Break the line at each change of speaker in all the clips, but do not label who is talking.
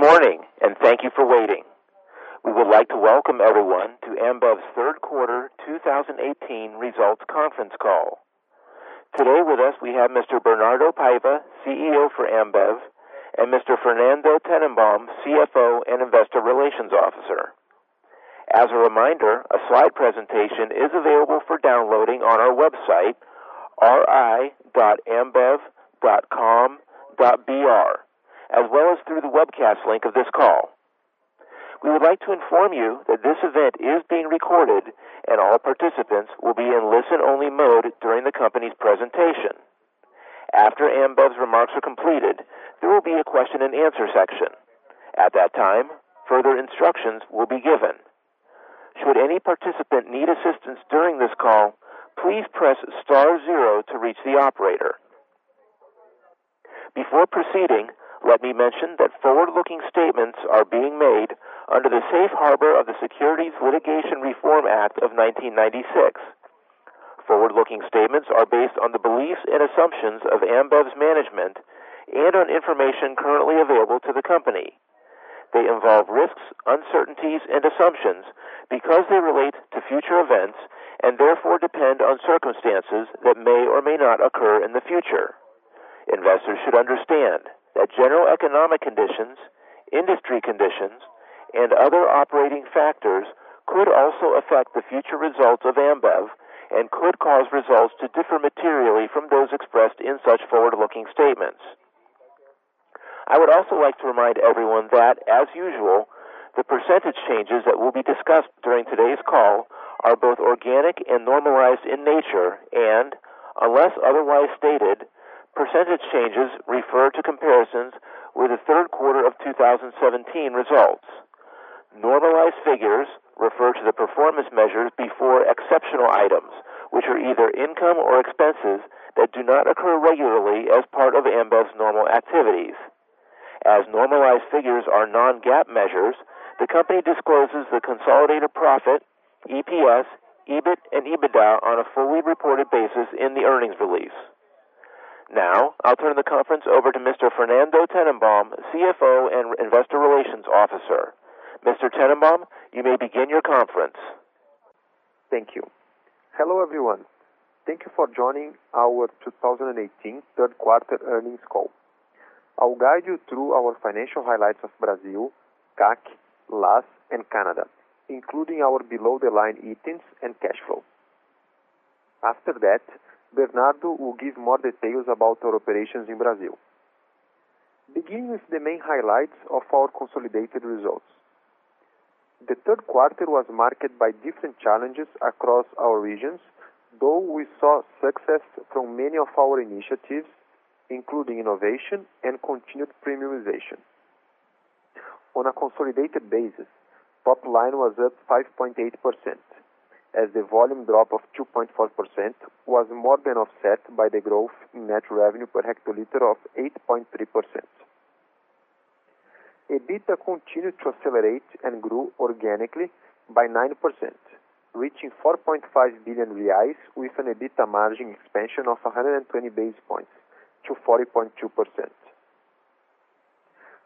Good morning, and thank you for waiting. We would like to welcome everyone to Ambev's Third Quarter 2018 Results Conference Call. Today with us we have Mr. Bernardo Paiva, CEO for Ambev, and Mr. Fernando Tennenbaum, CFO and Investor Relations Officer. As a reminder, a slide presentation is available for downloading on our website, ri.ambev.com.br, as well as through the webcast link of this call. We would like to inform you that this event is being recorded and all participants will be in listen-only mode during the company's presentation. After Ambev's remarks are completed, there will be a question-and-answer section. At that time, further instructions will be given. Should any participant need assistance during this call, please press star zero to reach the operator. Before proceeding, let me mention that forward-looking statements are being made under the Safe Harbor of the Private Securities Litigation Reform Act of 1995. Forward-looking statements are based on the beliefs and assumptions of Ambev's management and on information currently available to the company. They involve risks, uncertainties and assumptions because they relate to future events and therefore depend on circumstances that may or may not occur in the future. Investors should understand that general economic conditions, industry conditions, and other operating factors could also affect the future results of Ambev and could cause results to differ materially from those expressed in such forward-looking statements. I would also like to remind everyone that, as usual, the percentage changes that will be discussed during today's call are both organic and normalized in nature and, unless otherwise stated, percentage changes refer to comparisons with the third quarter of 2017 results. Normalized figures refer to the performance measures before exceptional items, which are either income or expenses that do not occur regularly as part of Ambev's normal activities. As normalized figures are non-GAAP measures, the company discloses the consolidated profit, EPS, EBIT, and EBITDA on a fully reported basis in the earnings release. Now, I'll turn the conference over to Mr. Fernando Tennenbaum, CFO and Investor Relations Officer. Mr. Tennenbaum, you may begin your conference.
Thank you. Hello, everyone. Thank you for joining our 2018 Third Quarter Earnings Call. I'll guide you through our financial highlights of Brazil, CAC, LAS, and Canada, including our below-the-line items and cash flow. After that, Bernardo will give more details about our operations in Brazil. Beginning with the main highlights of our consolidated results. The third quarter was marked by different challenges across our regions, though we saw success from many of our initiatives, including innovation and continued premiumization. On a consolidated basis, top line was up 5.8%, as the volume drop of 2.4% was more than offset by the growth in net revenue per hectoliter of 8.3%. EBITDA continued to accelerate and grew organically by 9%, reaching 4.5 billion reais with an EBITDA margin expansion of 120 basis points to 40.2%.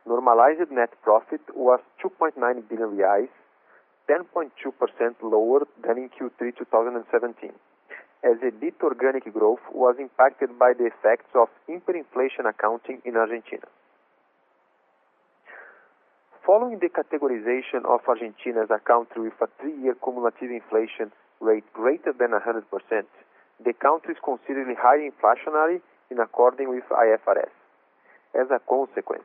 Normalized net profit was 2.9 billion reais, 10.2% lower than in Q3 2017, as EBITDA organic growth was impacted by the effects of hyperinflation accounting in Argentina. Following the categorization of Argentina as a country with a three-year cumulative inflation rate greater than 100%, the country is considered highly inflationary in accordance with IFRS. As a consequence,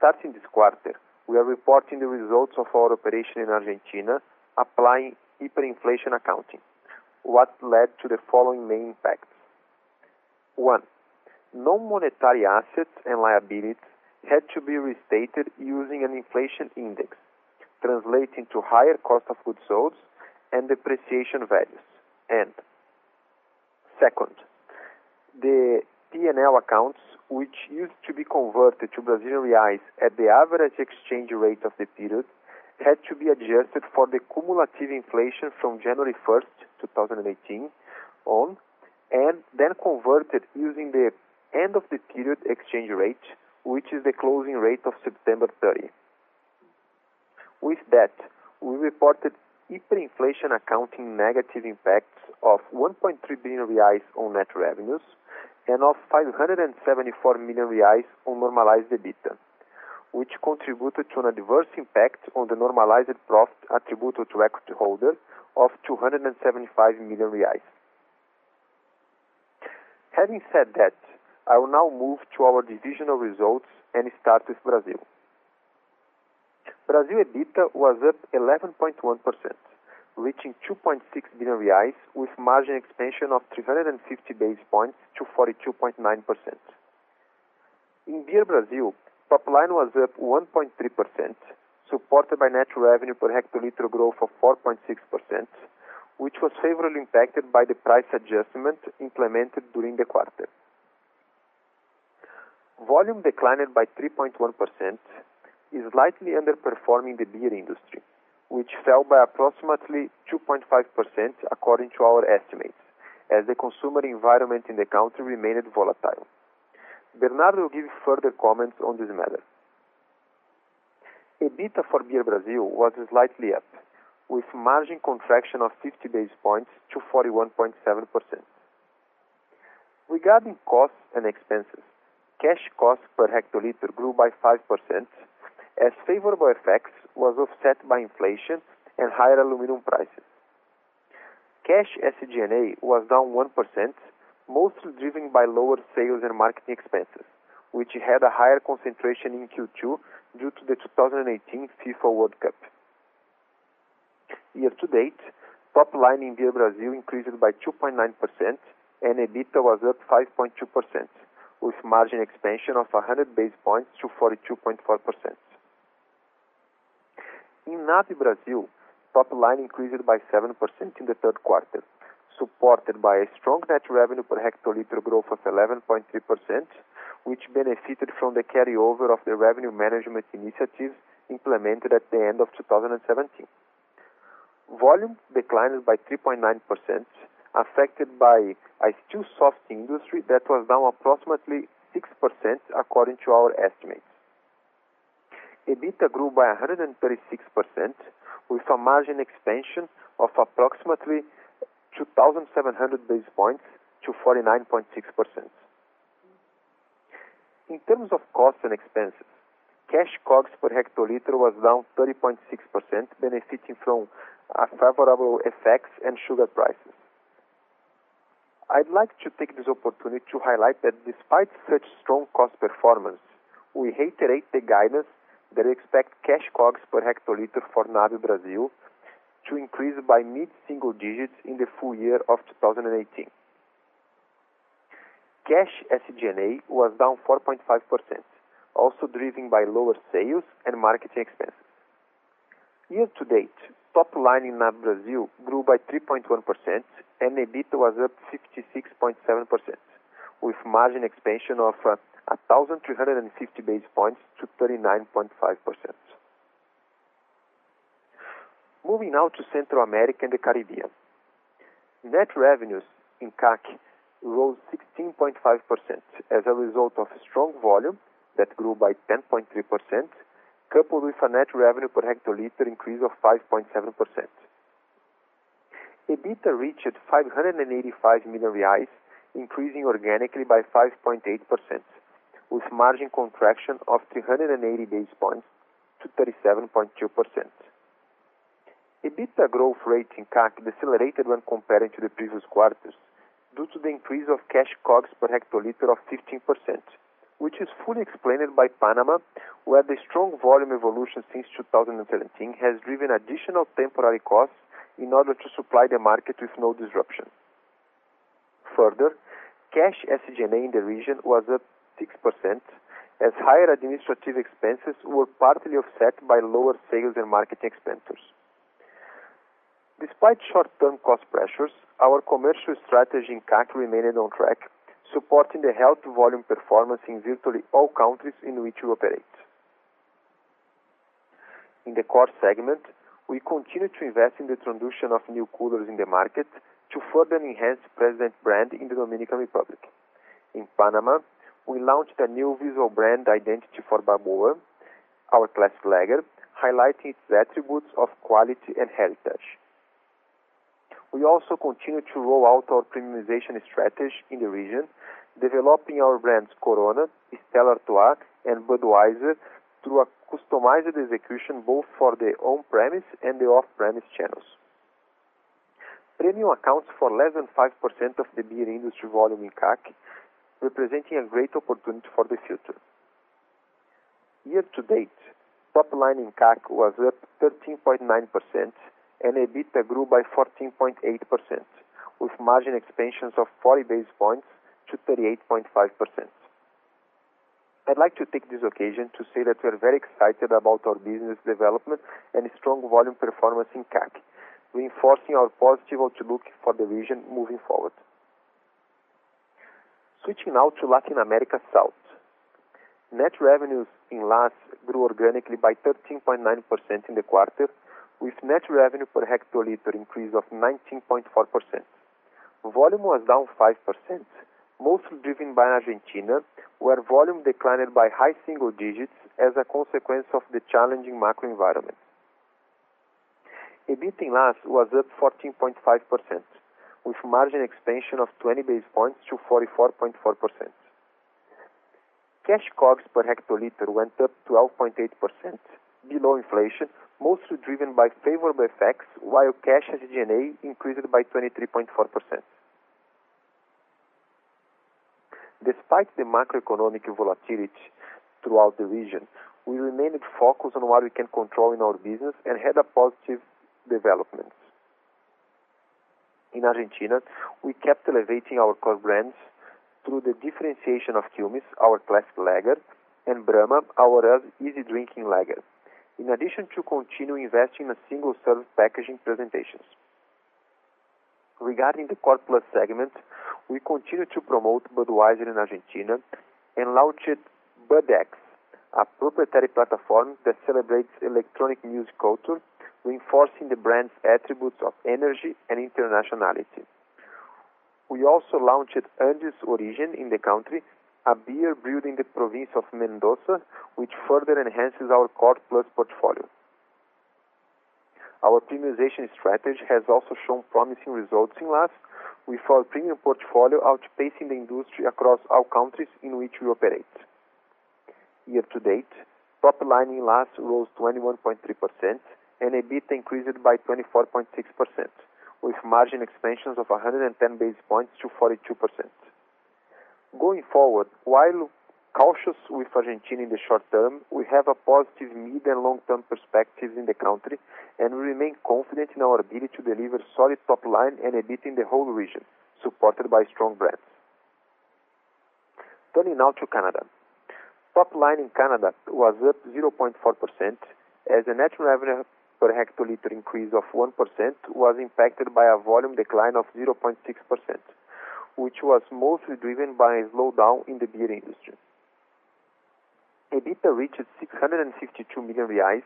starting this quarter, we are reporting the results of our operation in Argentina applying hyperinflation accounting, which led to the following main impacts. One, non-monetary assets and liabilities had to be restated using an inflation index translating to higher cost of goods sold and depreciation values. Second, the P&L accounts, which used to be converted to Brazilian reals at the average exchange rate of the period, had to be adjusted for the cumulative inflation from January 1, 2018 on, and then converted using the end of the period exchange rate, which is the closing rate of September 30. With that, we reported hyperinflation accounting negative impacts of 1.3 billion reais on net revenues and of 574 million reais on normalized EBITDA, which contributed to an adverse impact on the normalized profit attributable to equity holders of 275 million reais. Having said that, I will now move to our divisional results and start with Brazil. Brazil EBITDA was up 11.1%, reaching 2.6 billion reais with margin expansion of 350 basis points to 42.9%. In Beer Brazil, top line was up 1.3%, supported by net revenue per hectoliter growth of 4.6%, which was favorably impacted by the price adjustment implemented during the quarter. Volume declined by 3.1%, slightly underperforming the beer industry, which fell by approximately 2.5% according to our estimates, as the consumer environment in the country remained volatile. Bernardo will give further comments on this matter. EBITDA for Beer Brazil was slightly up, with margin contraction of 50 basis points to 41.7%. Regarding costs and expenses, cash cost per hectoliter grew by 5% as favorable effects was offset by inflation and higher aluminum prices. Cash SG&A was down 1%, mostly driven by lower sales and marketing expenses, which had a higher concentration in Q2 due to the 2018 FIFA World Cup. Year-to-date, top line in Beer Brazil increased by 2.9% and EBITDA was up 5.2%, with margin expansion of 100 basis points to 42.4%. In NAB Brazil, top line increased by 7% in the third quarter, supported by a strong net revenue per hectoliter growth of 11.3%, which benefited from the carryover of the revenue management initiatives implemented at the end of 2017. Volume declined by 3.9%, affected by a still soft industry that was down approximately 6% according to our estimates. EBITDA grew by 136% with a margin expansion of approximately 2,700 basis points to 49.6%. In terms of costs and expenses, cash COGS per hectoliter was down 30.6%, benefiting from favorable FX and sugar prices. I'd like to take this opportunity to highlight that despite such strong cost performance, we reiterate the guidance that we expect cash COGS per hectoliter for NAB Brazil to increase by mid-single digits in the full year of 2018. Cash SG&A was down 4.5%, also driven by lower sales and marketing expenses. Year-to-date, top line in NAB Brazil grew by 3.1% and EBITDA was up 56.7%, with margin expansion of 1,350 basis points to 39.5%. Moving now to Central America and the Caribbean. Net revenues in CAC grew 16.5% as a result of strong volume that grew by 10.3%, coupled with a net revenue per hectoliter increase of 5.7%. EBITDA reached 585 million reais, increasing organically by 5.8% with margin contraction of 380 base points to 37.2%. EBITDA growth rate in CAC decelerated when compared to the previous quarters due to the increase of cash COGS per hectoliter of 15%, which is fully explained by Panama, where the strong volume evolution since 2013 has driven additional temporary costs in order to supply the market with no disruption. Further, cash SG&A in the region was up 6% as higher administrative expenses were partly offset by lower sales and marketing expenditures. Despite short-term cost pressures, our commercial strategy in CAC remained on track, supporting the health volume performance in virtually all countries in which we operate. In the core segment, we continue to invest in the introduction of new coolers in the market to further enhance Presidente brand in the Dominican Republic. In Panama, we launched a new visual brand identity for Balboa, our classic lager, highlighting its attributes of quality and heritage. We also continue to roll out our premiumization strategy in the region, developing our brands Corona, Stella Artois, and Budweiser through a customized execution both for the on-premise and the off-premise channels. Premium accounts for less than 5% of the beer industry volume in CAC, representing a great opportunity for the future. Year-to-date, top line in CAC was up 13.9% and EBITDA grew by 14.8%, with margin expansions of 40 basis points to 38.5%. I'd like to take this occasion to say that we're very excited about our business development and strong volume performance in CAC, reinforcing our positive outlook for the region moving forward. Switching now to Latin America South. Net revenues in LAS grew organically by 13.9% in the quarter, with net revenue per hectoliter increase of 19.4%. Volume was down 5%, mostly driven by Argentina, where volume declined by high single digits as a consequence of the challenging macro environment. EBIT in LAS was up 14.5%, with margin expansion of 20 basis points to 44.4%. Cash COGS per hectoliter went up 12.8% below inflation, mostly driven by favorable FX, while cash SG&A increased by 23.4%. Despite the macroeconomic volatility throughout the region, we remained focused on what we can control in our business and had a positive development. In Argentina, we kept elevating our core brands through the differentiation of Quilmes, our classic lager, and Brahma, our easy drinking lager. In addition to continuing investing in a single-serve packaging presentations. Regarding the core plus segment, we continue to promote Budweiser in Argentina and launched BUDx, a proprietary platform that celebrates electronic music culture, reinforcing the brand's attributes of energy and internationality. We also launched Andes Origen in the country, a beer brewed in the province of Mendoza, which further enhances our core plus portfolio. Our premiumization strategy has also shown promising results in LAS, with our premium portfolio outpacing the industry across all countries in which we operate. Year-to-date, top line in LAS rose 21.3% and EBIT increased by 24.6%, with margin expansions of 110 basis points to 42%. Going forward, while cautious with Argentina in the short term, we have a positive mid and long-term perspectives in the country and remain confident in our ability to deliver solid top line and EBIT in the whole region, supported by strong brands. Turning now to Canada. Top line in Canada was up 0.4% as the natural revenue per hectoliter increase of 1% was impacted by a volume decline of 0.6%, which was mostly driven by a slowdown in the beer industry. EBITDA reached 662 million reais,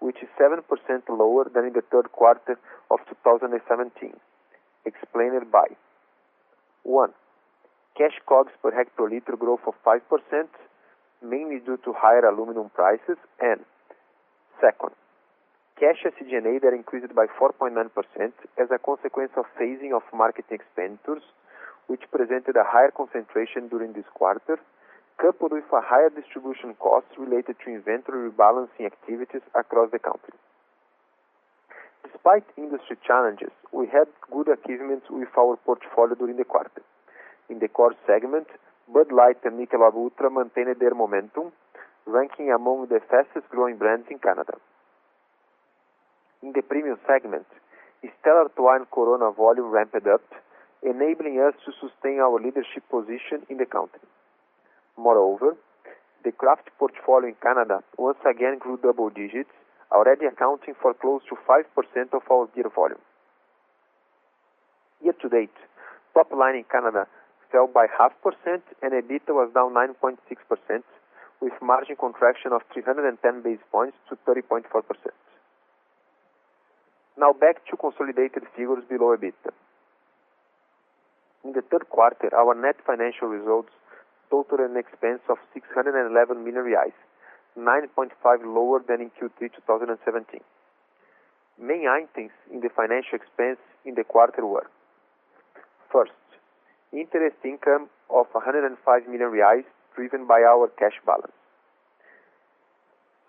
which is 7% lower than in the third quarter of 2017, explained by, one, cash COGS per hectoliter growth of 5%, mainly due to higher aluminum prices and, second, cash SG&A that increased by 4.9% as a consequence of phasing of marketing expenditures, which presented a higher concentration during this quarter, coupled with a higher distribution cost related to inventory rebalancing activities across the country. Despite industry challenges, we had good achievements with our portfolio during the quarter. In the core segment, Bud Light and Michelob Ultra maintained their momentum, ranking among the fastest-growing brands in Canada. In the premium segment, Stella Artois and Corona volume ramped up, enabling us to sustain our leadership position in the country. Moreover, the craft portfolio in Canada once again grew double digits, already accounting for close to 5% of our beer volume. Year-to-date, top line in Canada fell by 0.5% and EBITDA was down 9.6%, with margin contraction of 310 basis points to 30.4%. Now back to consolidated figures below EBITDA. In the third quarter, our net financial results totaled an expense of 611 million reais, 9.5% lower than in Q3 2017. Main items in the financial expense in the quarter were, first, interest income of 105 million reais driven by our cash balance.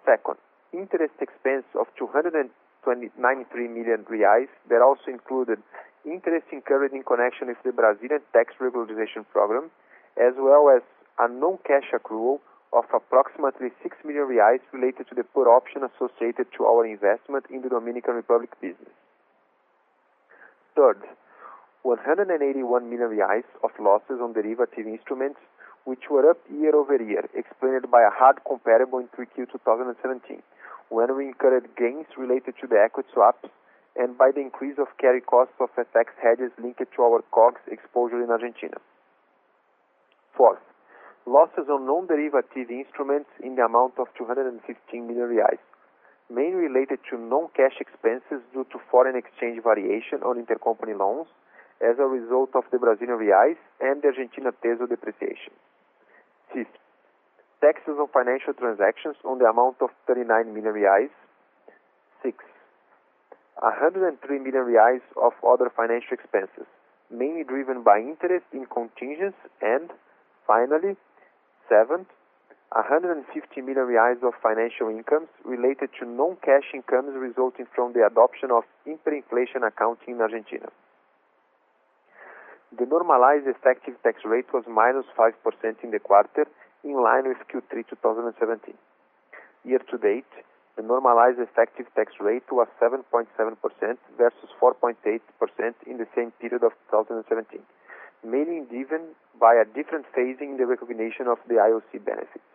Second, interest expense of 293 million reais that also included interest incurred in connection with the Brazilian tax regularization program, as well as a non-cash accrual of approximately 6 million reais related to the put option associated to our investment in the Dominican Republic business. Third, 181 million reais of losses on derivative instruments, which were up year-over-year, explained by a hard comparable in 3Q 2017, when we incurred gains related to the equity swaps and by the increase of carry costs of FX hedges linked to our COGS exposure in Argentina. Fourth, losses on non-derivative instruments in the amount of 215 million reais, mainly related to non-cash expenses due to foreign exchange variation on intercompany loans as a result of the Brazilian reals and the Argentine peso depreciation. Fifth, taxes on financial transactions in the amount of 39 million reais. Six, 103 million reais of other financial expenses, mainly driven by interest and contingents and finally, seventh, 150 million reais of financial income related to non-cash income resulting from the adoption of hyperinflation accounting in Argentina. The normalized effective tax rate was -5% in the quarter, in line with Q3 2017. Year-to-date, the normalized effective tax rate was 7.7% versus 4.8% in the same period of 2017, mainly driven by a different phase in the recognition of the IOC benefits.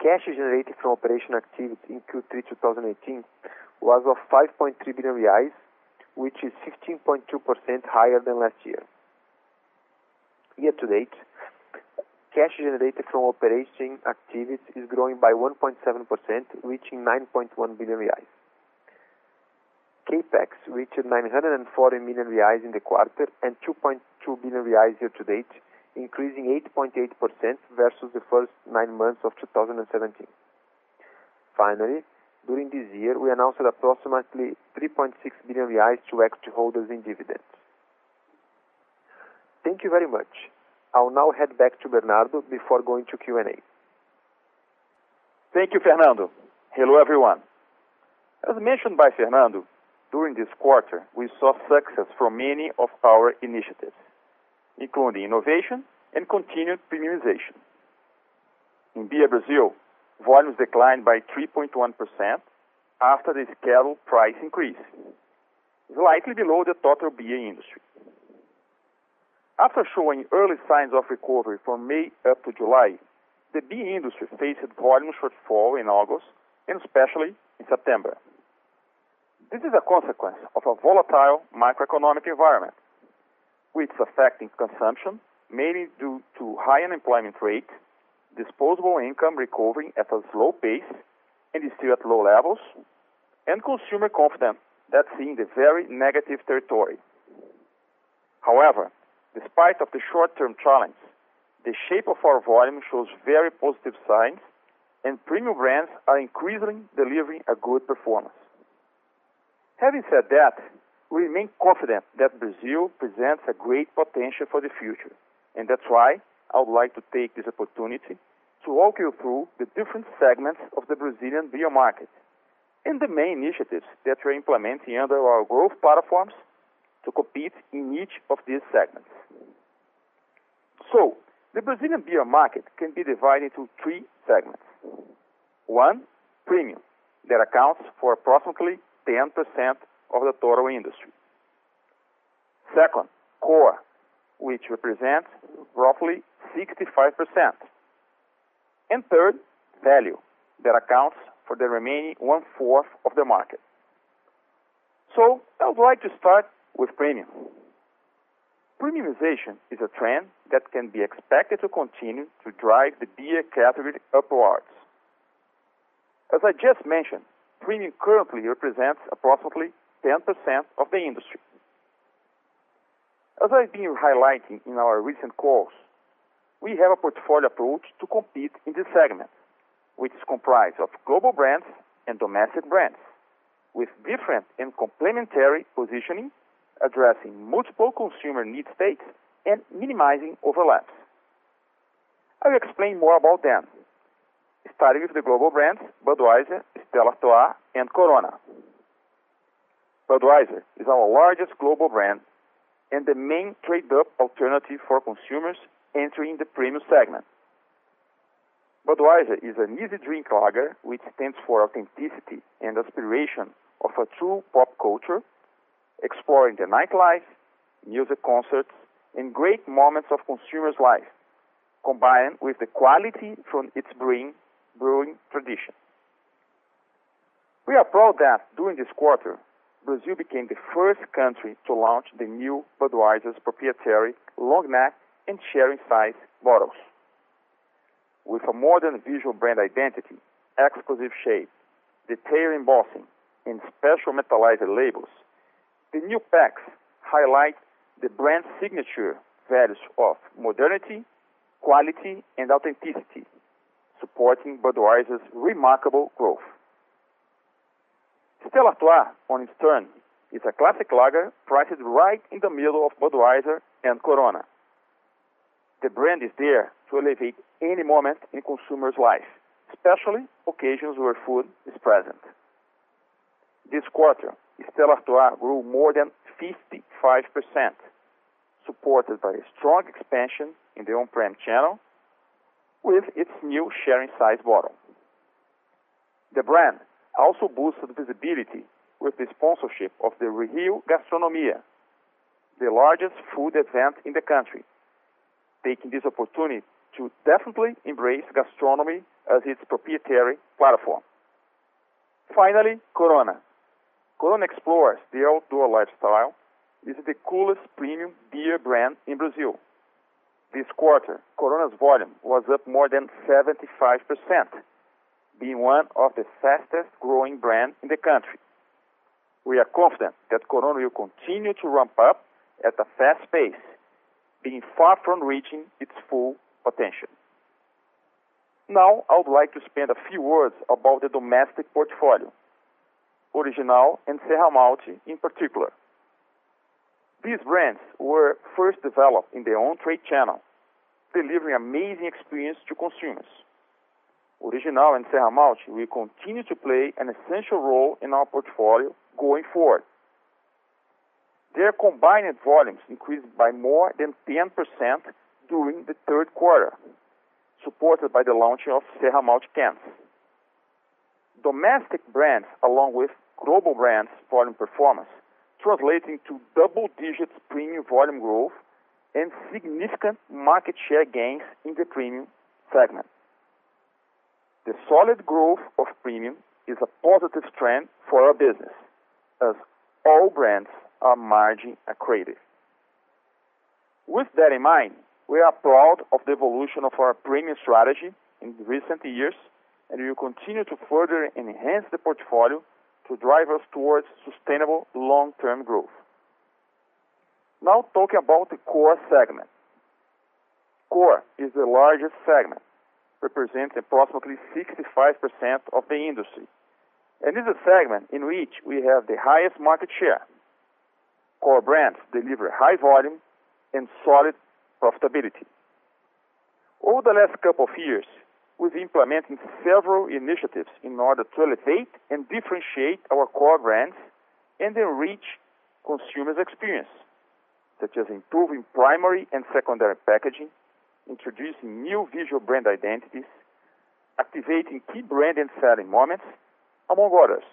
Cash generated from operating activity in Q3 2018 was 5.3 billion reais, which is 16.2% higher than last year. Year-to-date, cash generated from operating activities is growing by 1.7%, reaching 9.1 billion reais. Capex reached 940 million reais in the quarter and 2.2 billion reais year-to-date, increasing 8.8% versus the first nine months of 2017. Finally, during this year, we announced approximately 3.6 billion reais to equity holders in dividends. Thank you very much. I'll now hand back to Bernardo before going to Q&A.
Thank you, Fernando. Hello, everyone. As mentioned by Fernando, during this quarter, we saw success from many of our initiatives, including innovation and continued premiumization. In Beer Brazil, volumes declined by 3.1% after the scheduled price increase, slightly below the total beer industry. After showing early signs of recovery from May up to July, the beer industry faced volume shortfall in August, and especially in September. This is a consequence of a volatile macroeconomic environment which is affecting consumption, mainly due to high unemployment rate, disposable income recovering at a slow pace and is still at low levels, and consumer confidence that's in the very negative territory. However, despite of the short-term challenge, the shape of our volume shows very positive signs and premium brands are increasingly delivering a good performance. Having said that, we remain confident that Brazil presents a great potential for the future, and that's why I would like to take this opportunity to walk you through the different segments of the Brazilian beer market and the main initiatives that we're implementing under our growth platforms to compete in each of these segments. The Brazilian beer market can be divided into three segments. One, premium, that accounts for approximately 10% of the total industry. Second, core, which represents roughly 65%. And third, value, that accounts for the remaining 1/4 of the market. I would like to start with premium. Premiumization is a trend that can be expected to continue to drive the beer category upwards. As I just mentioned, premium currently represents approximately 10% of the industry. As I've been highlighting in our recent calls, we have a portfolio approach to compete in this segment, which is comprised of global brands and domestic brands with different and complementary positioning, addressing multiple consumer need states and minimizing overlaps. I will explain more about them, starting with the global brands, Budweiser, Stella Artois, and Corona. Budweiser is our largest global brand and the main trade up alternative for consumers entering the premium segment. Budweiser is an easy drink lager, which stands for authenticity and aspiration of a true pop culture, exploring the nightlife, music concerts and great moments of consumers' life, combined with the quality from its brewing tradition. We are proud that during this quarter, Brazil became the first country to launch the new Budweiser's proprietary long neck and sharing size bottles. With a modern visual brand identity, exclusive shape, detailed embossing and special metallized labels, the new packs highlight the brand's signature values of modernity, quality and authenticity, supporting Budweiser's remarkable growth. Stella Artois, on its turn, is a classic lager priced right in the middle of Budweiser and Corona. The brand is there to elevate any moment in consumers' life, especially occasions where food is present. This quarter, Stella Artois grew more than 55%, supported by a strong expansion in the on-prem channel with its new sharing size bottle. The brand also boosted visibility with the sponsorship of the Rio Gastronomia, the largest food event in the country, taking this opportunity to definitely embrace gastronomy as its proprietary platform. Finally, Corona. Corona explores the outdoor lifestyle. This is the coolest premium beer brand in Brazil. This quarter, Corona's volume was up more than 75%, being one of the fastest growing brand in the country. We are confident that Corona will continue to ramp up at a fast pace, being far from reaching its full potential. Now, I would like to spend a few words about the domestic portfolio, Original and Serramalte in particular. These brands were first developed in their own trade channel, delivering amazing experience to consumers. Original and Serramalte will continue to play an essential role in our portfolio going forward. Their combined volumes increased by more than 10% during the third quarter, supported by the launching of Serramalte cans. Domestic brands, along with global brands' foreign performance, translating to double digits premium volume growth and significant market share gains in the premium segment. The solid growth of premium is a positive trend for our business, as all brands are margin accretive. With that in mind, we are proud of the evolution of our premium strategy in recent years, and we will continue to further enhance the portfolio to drive us towards sustainable long-term growth. Now talking about the core segment. Core is the largest segment, representing approximately 65% of the industry, and is a segment in which we have the highest market share. Core brands deliver high volume and solid profitability. Over the last couple of years, we've been implementing several initiatives in order to elevate and differentiate our core brands and enrich consumers' experience, such as improving primary and secondary packaging, introducing new visual brand identities, activating key brand and selling moments, among others.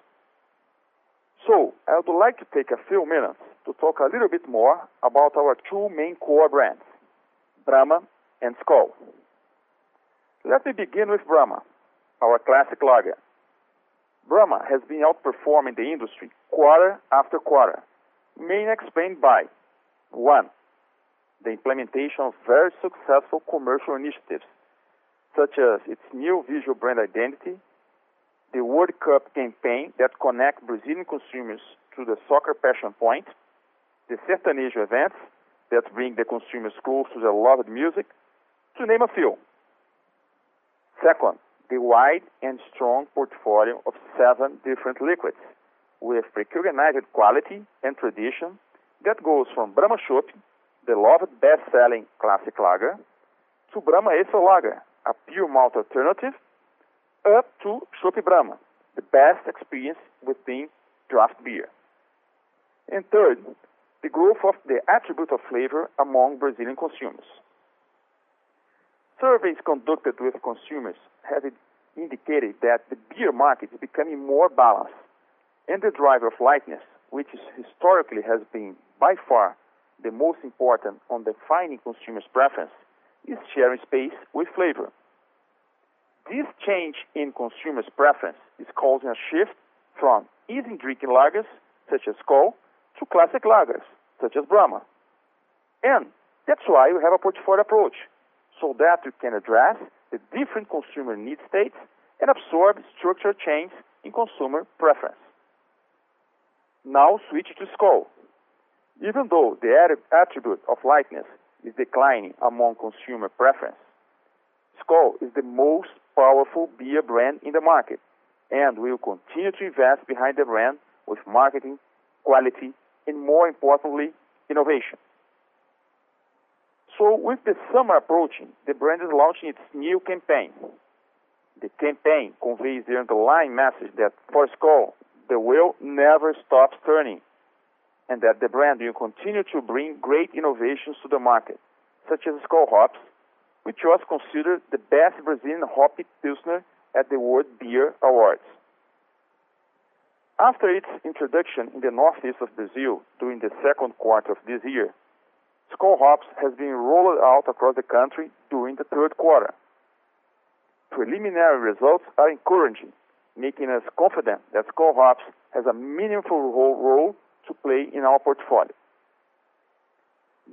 I would like to take a few minutes to talk a little bit more about our two main core brands, Brahma and Skol. Let me begin with Brahma, our classic lager. Brahma has been outperforming the industry quarter after quarter, mainly explained by, one, the implementation of very successful commercial initiatives, such as its new visual brand identity, the World Cup campaign that connect Brazilian consumers to the soccer passion point, the Sertanejo events that bring the consumers close to the loved music, to name a few. Second, the wide and strong portfolio of seven different liquids with recognized quality and tradition that goes from Brahma Chopp, the loved best-selling classic lager, to Brahma Extra Lager, a pure malt alternative, up to Chopp Brahma, the best experience within draft beer. Third, the growth of the attribute of flavor among Brazilian consumers. Surveys conducted with consumers has indicated that the beer market is becoming more balanced, and the drive of lightness, which historically has been by far the most important on defining consumers' preference, is sharing space with flavor. This change in consumers' preference is causing a shift from easy-drinking lagers such as Skol to classic lagers such as Brahma. And that's why we have a portfolio approach, so that we can address the different consumer need states and absorb structural change in consumer preference. Now switch to Skol. Even though the attribute of lightness is declining among consumer preference, Skol is the most powerful beer brand in the market, and we will continue to invest behind the brand with marketing, quality and, more importantly, innovation. With the summer approaching, the brand is launching its new campaign. The campaign conveys the underlying message that for Skol, the world never stops turning, and that the brand will continue to bring great innovations to the market, such as Skol Hops, which was considered the best Brazilian hoppy pilsner at the World Beer Awards. After its introduction in the northeast of Brazil during the second quarter of this year, Skol Hops has been rolled out across the country during the third quarter. Preliminary results are encouraging, making us confident that Skol Hops has a meaningful role to play in our portfolio.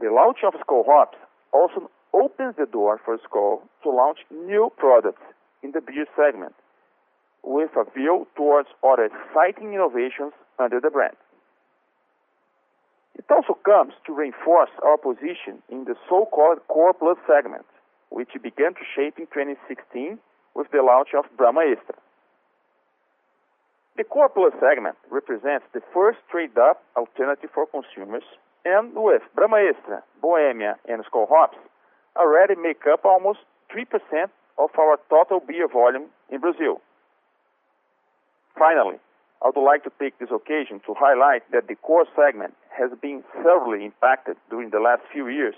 The launch of Skol Hops also opens the door for Skol to launch new products in the beer segment with a view towards other exciting innovations under the brand. It also comes to reinforce our position in the so-called core plus segment, which began to shape in 2016 with the launch of Brahma Extra. The core plus segment represents the first trade up alternative for consumers, and with Brahma Extra, Bohemia and Skol Hops already make up almost 3% of our total beer volume in Brazil. Finally, I would like to take this occasion to highlight that the core segment has been severely impacted during the last few years,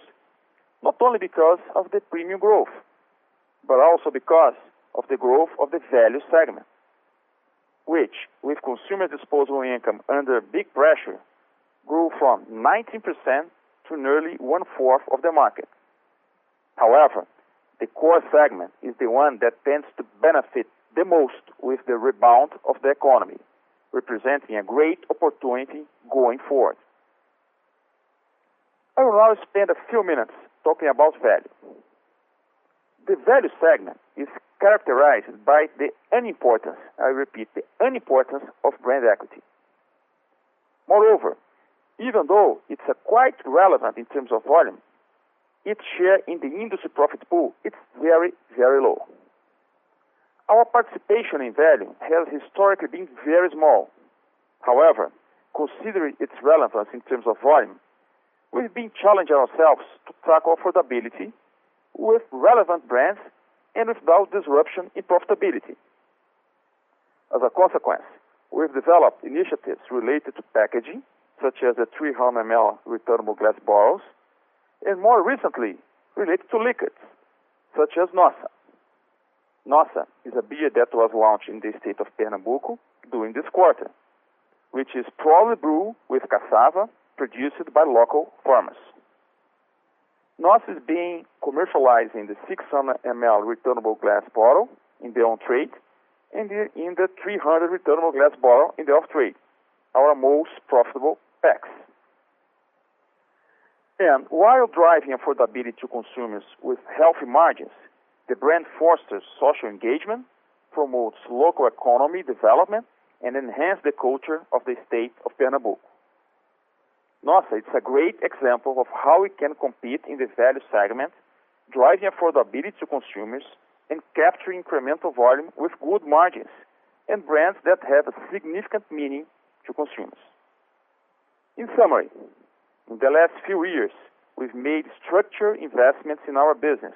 not only because of the premium growth, but also because of the growth of the value segment, which with consumer disposable income under big pressure, grew from 19% to nearly 1/4 of the market. However, the core segment is the one that tends to benefit the most with the rebound of the economy, representing a great opportunity going forward. I will now spend a few minutes talking about value. The value segment is characterized by the unimportance, I repeat, the unimportance of brand equity. Moreover, even though it's quite relevant in terms of volume, its share in the industry profit pool is very, very low. Our participation in value has historically been very small. However, considering its relevance in terms of volume, we've been challenging ourselves to track affordability with relevant brands and without disruption in profitability. As a consequence, we've developed initiatives related to packaging, such as the 300 ml returnable glass bottles, and more recently related to liquids such as Nossa. Nossa is a beer that was launched in the state of Pernambuco during this quarter, which is partly brewed with cassava produced by local farmers. Nossa is being commercialized in the 600 ml returnable glass bottle in the on-trade and in the 300 returnable glass bottle in the off-trade, our most profitable packs. While driving affordability to consumers with healthy margins, the brand fosters social engagement, promotes local economy development, and enhance the culture of the state of Pernambuco. Nossa is a great example of how we can compete in this value segment, driving affordability to consumers and capturing incremental volume with good margins and brands that have a significant meaning to consumers. In summary, in the last few years, we've made structural investments in our business,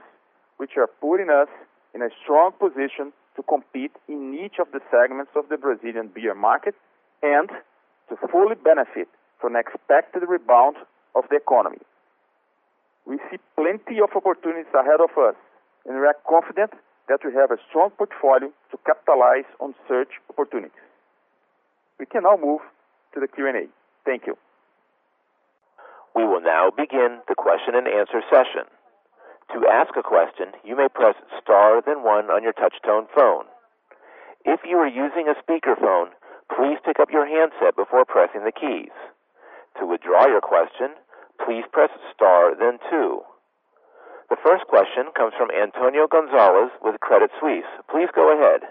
which are putting us in a strong position to compete in each of the segments of the Brazilian beer market and to fully benefit from expected rebound of the economy. We see plenty of opportunities ahead of us, and we are confident that we have a strong portfolio to capitalize on such opportunities. We can now move to the Q&A. Thank you.
We will now begin the question-and-answer session. To ask a question, you may press star then one on your touchtone phone. If you are using a speakerphone, please pick up your handset before pressing the keys. To withdraw your question, please press star then two. The first question comes from Antonio Gonzalez with Credit Suisse. Please go ahead.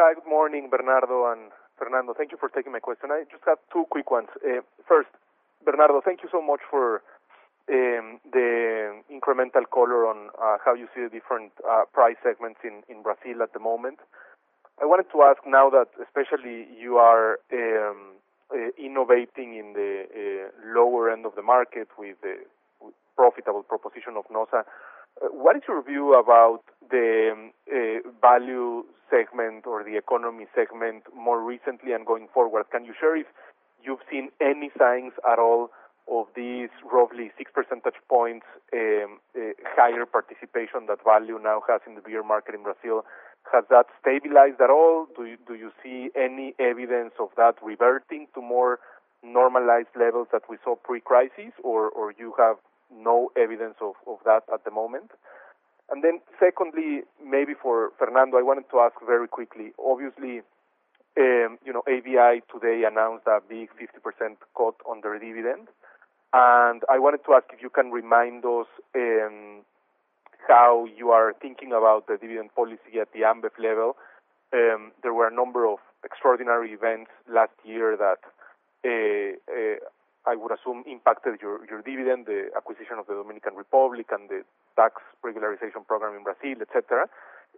Hi, good morning, Bernardo and Fernando. Thank you for taking my question. I just have two quick ones. First, Bernardo, thank you so much for the incremental color on how you see the different price segments in Brazil at the moment. I wanted to ask now that especially you are innovating in the lower end of the market with the profitable proposition of Nossa, what is your view about the value segment or the economy segment more recently and going forward? Can you share if you've seen any signs at all of these roughly six percentage points higher participation that value now has in the beer market in Brazil? Has that stabilized at all? Do you see any evidence of that reverting to more normalized levels that we saw pre-crisis or you have no evidence of that at the moment? Then secondly, maybe for Fernando, I wanted to ask very quickly. Obviously, you know, ABI today announced a big 50% cut on their dividend. I wanted to ask if you can remind us how you are thinking about the dividend policy at the Ambev level. There were a number of extraordinary events last year that I would assume impacted your dividend, the acquisition of the Dominican Republic and the tax regularization program in Brazil, et cetera.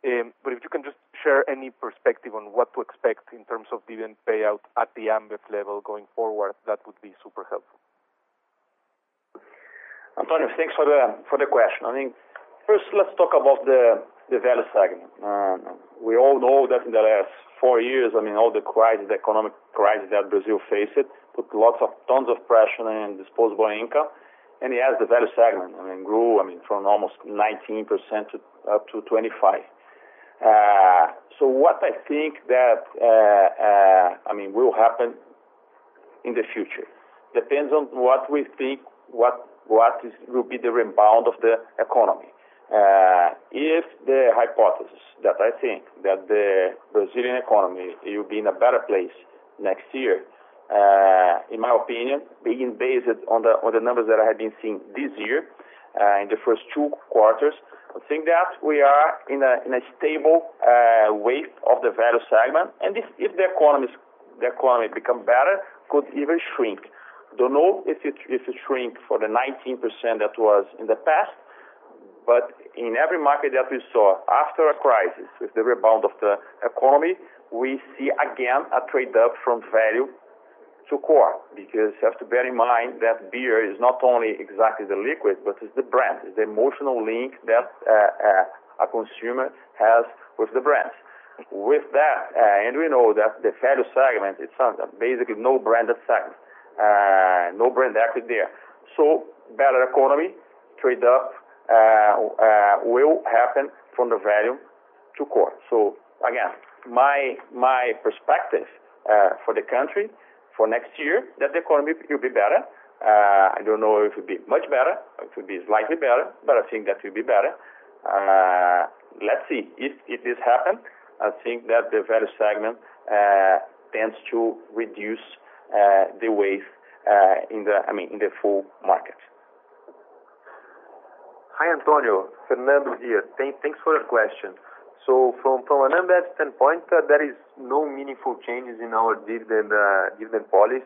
If you can just share any perspective on what to expect in terms of dividend payout at the Ambev level going forward, that would be super helpful.
Antonio, thanks for the question. I mean, first, let's talk about the value segment. We all know that in the last four years, I mean, all the crisis, the economic crisis that Brazil faced, put lots of tons of pressure in disposable income. Yes, the value segment, I mean, grew, I mean, from almost 19% to up to 25%. So what I think that, I mean, will happen in the future depends on what we think will be the rebound of the economy. If the hypothesis that I think that the Brazilian economy will be in a better place next year, in my opinion, being based on the numbers that I have been seeing this year, in the first two quarters, I think that we are in a stable wave of the value segment. If the economy become better, could even shrink. Don't know if it shrink for the 19% that was in the past, but in every market that we saw after a crisis, with the rebound of the economy, we see again a trade up from value to core. Because you have to bear in mind that beer is not only exactly the liquid, but it's the brand. It's the emotional link that a consumer has with the brands. With that, we know that the value segment is something, basically no branded segment, no brand equity there. Better economy trade up will happen from the value to core. Again, my perspective for the country for next year, that the economy will be better. I don't know if it will be much better or if it will be slightly better, but I think that will be better. Let's see. If this happen, I think that the value segment tends to reduce the wave, I mean, in the full market.
Hi, Antonio. Fernando here. Thanks for the question. From an Ambev standpoint, there is no meaningful changes in our dividend policy.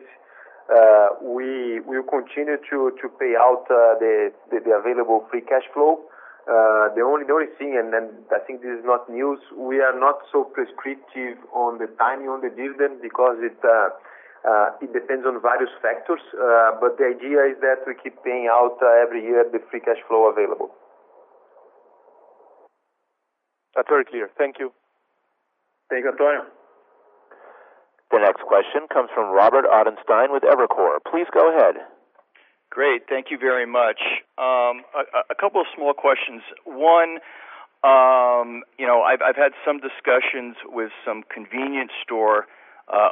We will continue to pay out the available free cash flow. The only thing, and then I think this is not news, we are not so prescriptive on the timing on the dividend because it depends on various factors. The idea is that we keep paying out every year the free cash flow available.
That's very clear. Thank you.
Thank you, Antonio.
The next question comes from Robert Ottenstein with Evercore. Please go ahead.
Great. Thank you very much. A couple of small questions. One, you know, I've had some discussions with some convenience store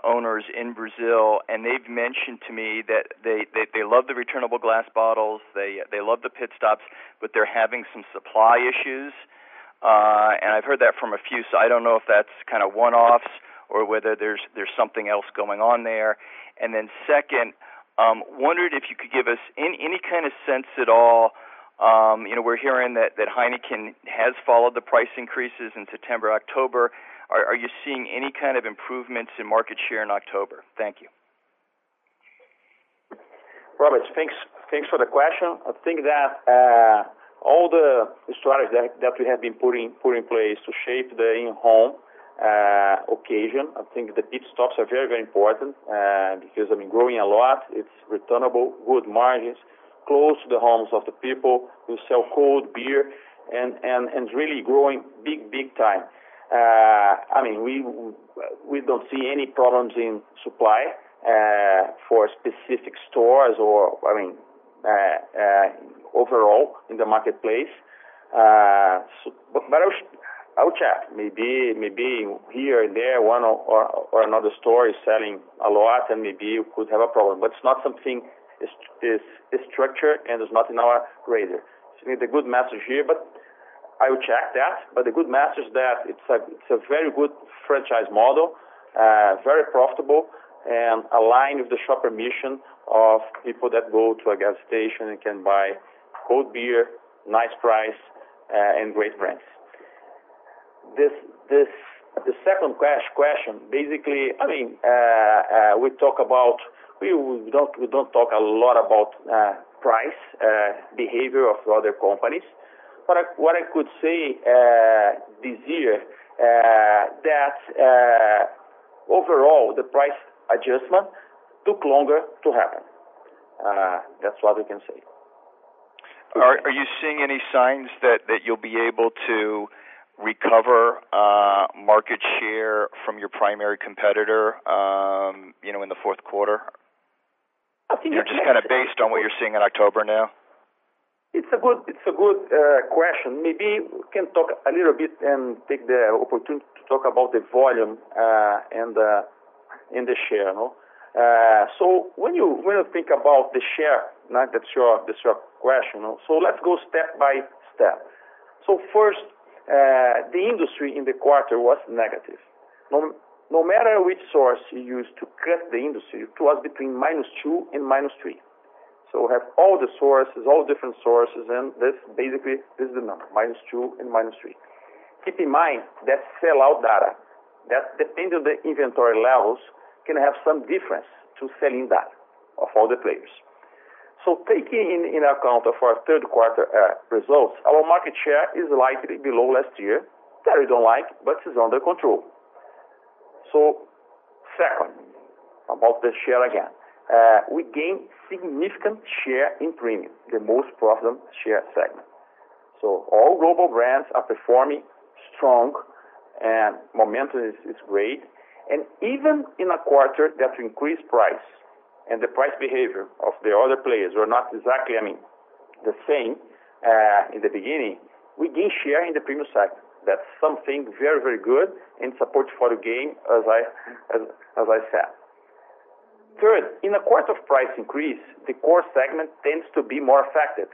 owners in Brazil, and they've mentioned to me that they love the returnable glass bottles. They love the pit stops, but they're having some supply issues. I've heard that from a few, so I don't know if that's kind of one-offs or whether there's something else going on there. Then second, wondered if you could give us any kind of sense at all, you know, we're hearing that Heineken has followed the price increases in September, October. Are you seeing any kind of improvements in market share in October? Thank you.
Robert, thanks for the question. I think that all the strategies that we have been putting in place to shape the in-home occasion. I think the pit stops are very important because they've been growing a lot. It's returnable, good margins. Close to the homes of the people who sell cold beer and really growing big time. I mean, we don't see any problems in supply for specific stores or I mean overall in the marketplace. I would check. Maybe here and there, one or another store is selling a lot, and maybe you could have a problem. It's not something is structured, and it's not in our radar. We need a good message here, but I would check that. The good message is that it's a very good franchise model, very profitable and aligned with the shopper mission of people that go to a gas station and can buy cold beer, nice price, and great brands. The second question, basically, I mean, we don't talk a lot about price behavior of other companies. What I could say this year is that overall, the price adjustment took longer to happen. That's what we can say.
Are you seeing any signs that you'll be able to recover market share from your primary competitor, you know, in the fourth quarter?
I think it depends.
Just kinda based on what you're seeing in October now.
It's a good question. Maybe we can talk a little bit and take the opportunity to talk about the volume and the share, no? When you think about the share, not, that's your question, so let's go step by step. First, the industry in the quarter was negative, no matter which source you use to cut the industry, it was between -2% and -3%. We have all the sources, all different sources, and this basically is the number, -2% and -3%. Keep in mind that sellout data, that depends on the inventory levels, can have some difference to sell-in data of all the players. Taking into account for our third quarter results, our market share is likely below last year. That we don't like, but it's under control. Second, about the share again. We gained significant share in premium, the most profitable share segment. All global brands are performing strong and momentum is great. Even in a quarter that increased price and the price behavior of the other players were not exactly, I mean, the same, in the beginning, we gain share in the premium segment. That's something very, very good and support for the gain, as I said. Third, in a quarter of price increase, the core segment tends to be more affected,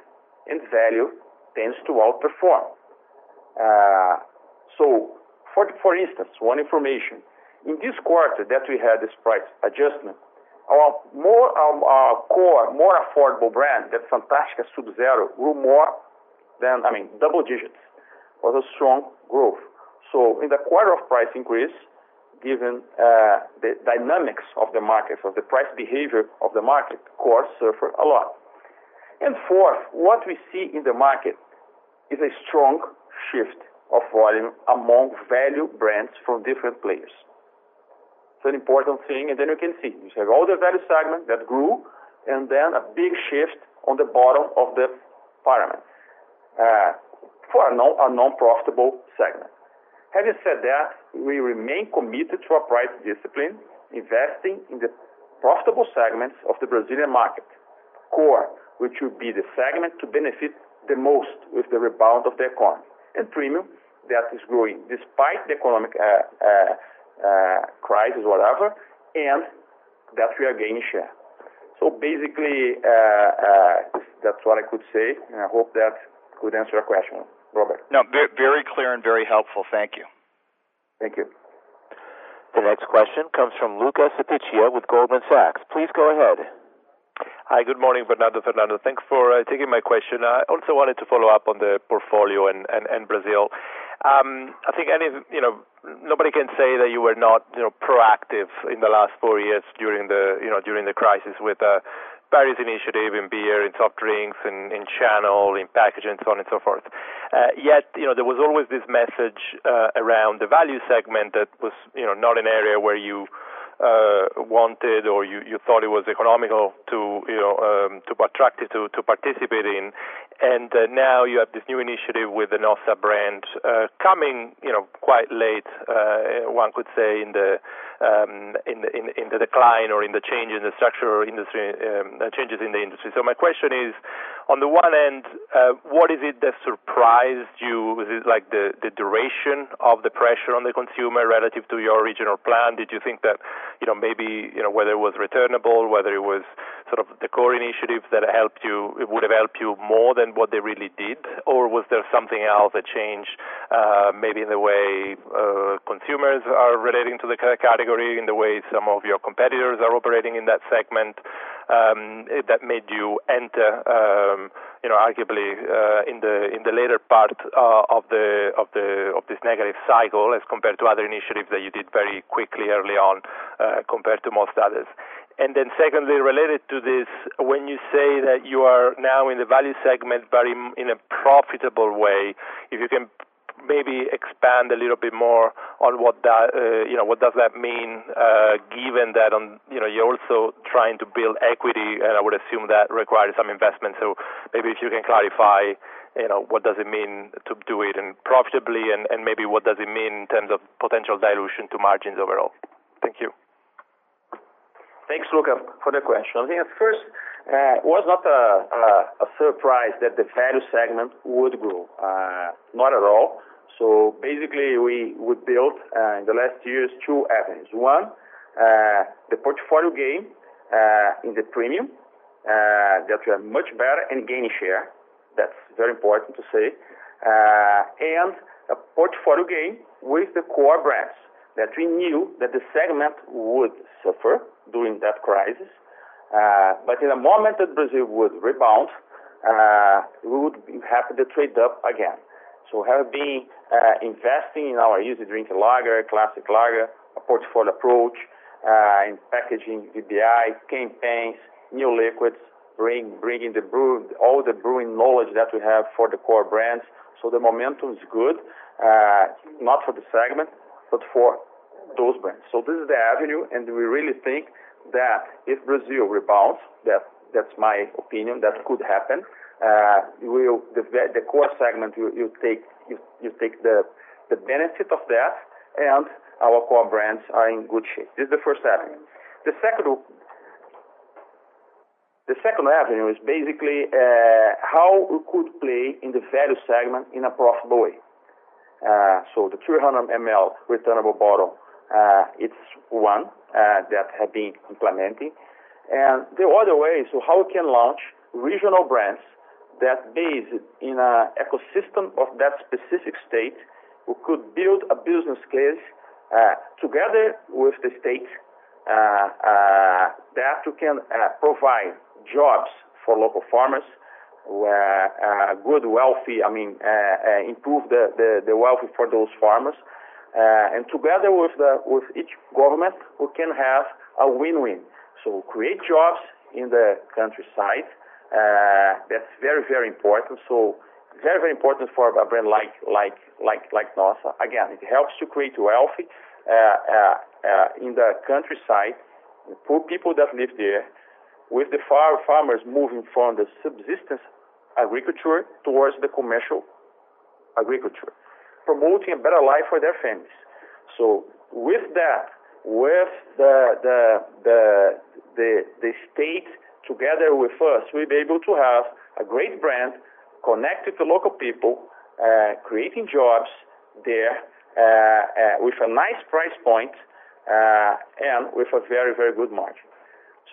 and value tends to outperform. For instance, one information. In this quarter that we had this price adjustment, our more core more affordable brand, that Antarctica Subzero grew more than, I mean, double digits. It was a strong growth. In the quarter of price increase, given the dynamics of the market, of the price behavior of the market, cores suffer a lot. Fourth, what we see in the market is a strong shift of volume among value brands from different players. It's an important thing, and then you can see. You have all the value segment that grew, and then a big shift on the bottom of the pyramid, for a non-profitable segment. Having said that, we remain committed to our price discipline, investing in the profitable segments of the Brazilian market. Core, which would be the segment to benefit the most with the rebound of the economy. Premium, that is growing despite the economic crisis, whatever, and that we are gaining share. Basically, that's what I could say, and I hope that could answer your question, Robert.
No, very clear and very helpful. Thank you.
Thank you.
The next question comes from Luca Cipiccia with Goldman Sachs. Please go ahead.
Hi, good morning, Bernardo, Fernando. Thanks for taking my question. I also wanted to follow up on the portfolio in Brazil. I think you know, nobody can say that you were not, you know, proactive in the last four years during the crisis with various initiative in beer, in soft drinks, in channel, in packaging, so on and so forth. You know, there was always this message around the value segment that was, you know, not an area where you wanted or you thought it was economical to, you know, to attract it, to participate in. Now you have this new initiative with the Nossa brand, coming, you know, quite late, one could say, in the decline or in the change in the structural industry changes in the industry. My question is, on the one end, what is it that surprised you? Is this like the duration of the pressure on the consumer relative to your original plan? Did you think that, you know, maybe, you know, whether it was returnable, whether it was sort of the core initiatives that helped you, it would have helped you more than what they really did? Was there something else that changed, maybe in the way consumers are relating to the category, in the way some of your competitors are operating in that segment, that made you enter, you know, arguably, in the later part of this negative cycle as compared to other initiatives that you did very quickly early on, compared to most others. Secondly, related to this, when you say that you are now in the value segment, but in a profitable way, if you can maybe expand a little bit more on what that, you know, what does that mean, given that, you know, you're also trying to build equity, and I would assume that requires some investment. Maybe if you can clarify, you know, what does it mean to do it and profitably and maybe what does it mean in terms of potential dilution to margins overall? Thank you.
Thanks, Luca, for the question. I think at first, it was not a surprise that the value segment would grow not at all. Basically, we built in the last years, two avenues. One, the portfolio gain in the premium that we are much better and gain share. That's very important to say. A portfolio gain with the core brands that we knew that the segment would suffer during that crisis. In a moment that Brazil would rebound, we would have the trade up again. Have been investing in our usual drinking lager, classic lager, a portfolio approach in packaging, BBI, campaigns, new liquids, bringing the brew, all the brewing knowledge that we have for the core brands. The momentum is good not for the segment, but for those brands. This is the avenue, and we really think that if Brazil rebounds, that's my opinion, that could happen. The core segment will, you take the benefit of that, and our core brands are in good shape. This is the first avenue. The second avenue is basically how we could play in the value segment in a profitable way. The 300 ml returnable bottle, it's one that have been implementing. The other way, how we can launch regional brands that based in an ecosystem of that specific state, we could build a business case together with the state that we can provide jobs for local farmers, a good wealth, I mean, improve the wealth for those farmers. Together with each government, we can have a win-win. Create jobs in the countryside. That's very, very important. Very, very important for a brand like Nossa. Again, it helps to create wealth in the countryside, poor people that live there, with the farmers moving from the subsistence agriculture towards the commercial agriculture, promoting a better life for their families. With that, with the state together with us, we'll be able to have a great brand connected to local people, creating jobs there, with a nice price point, and with a very, very good margin.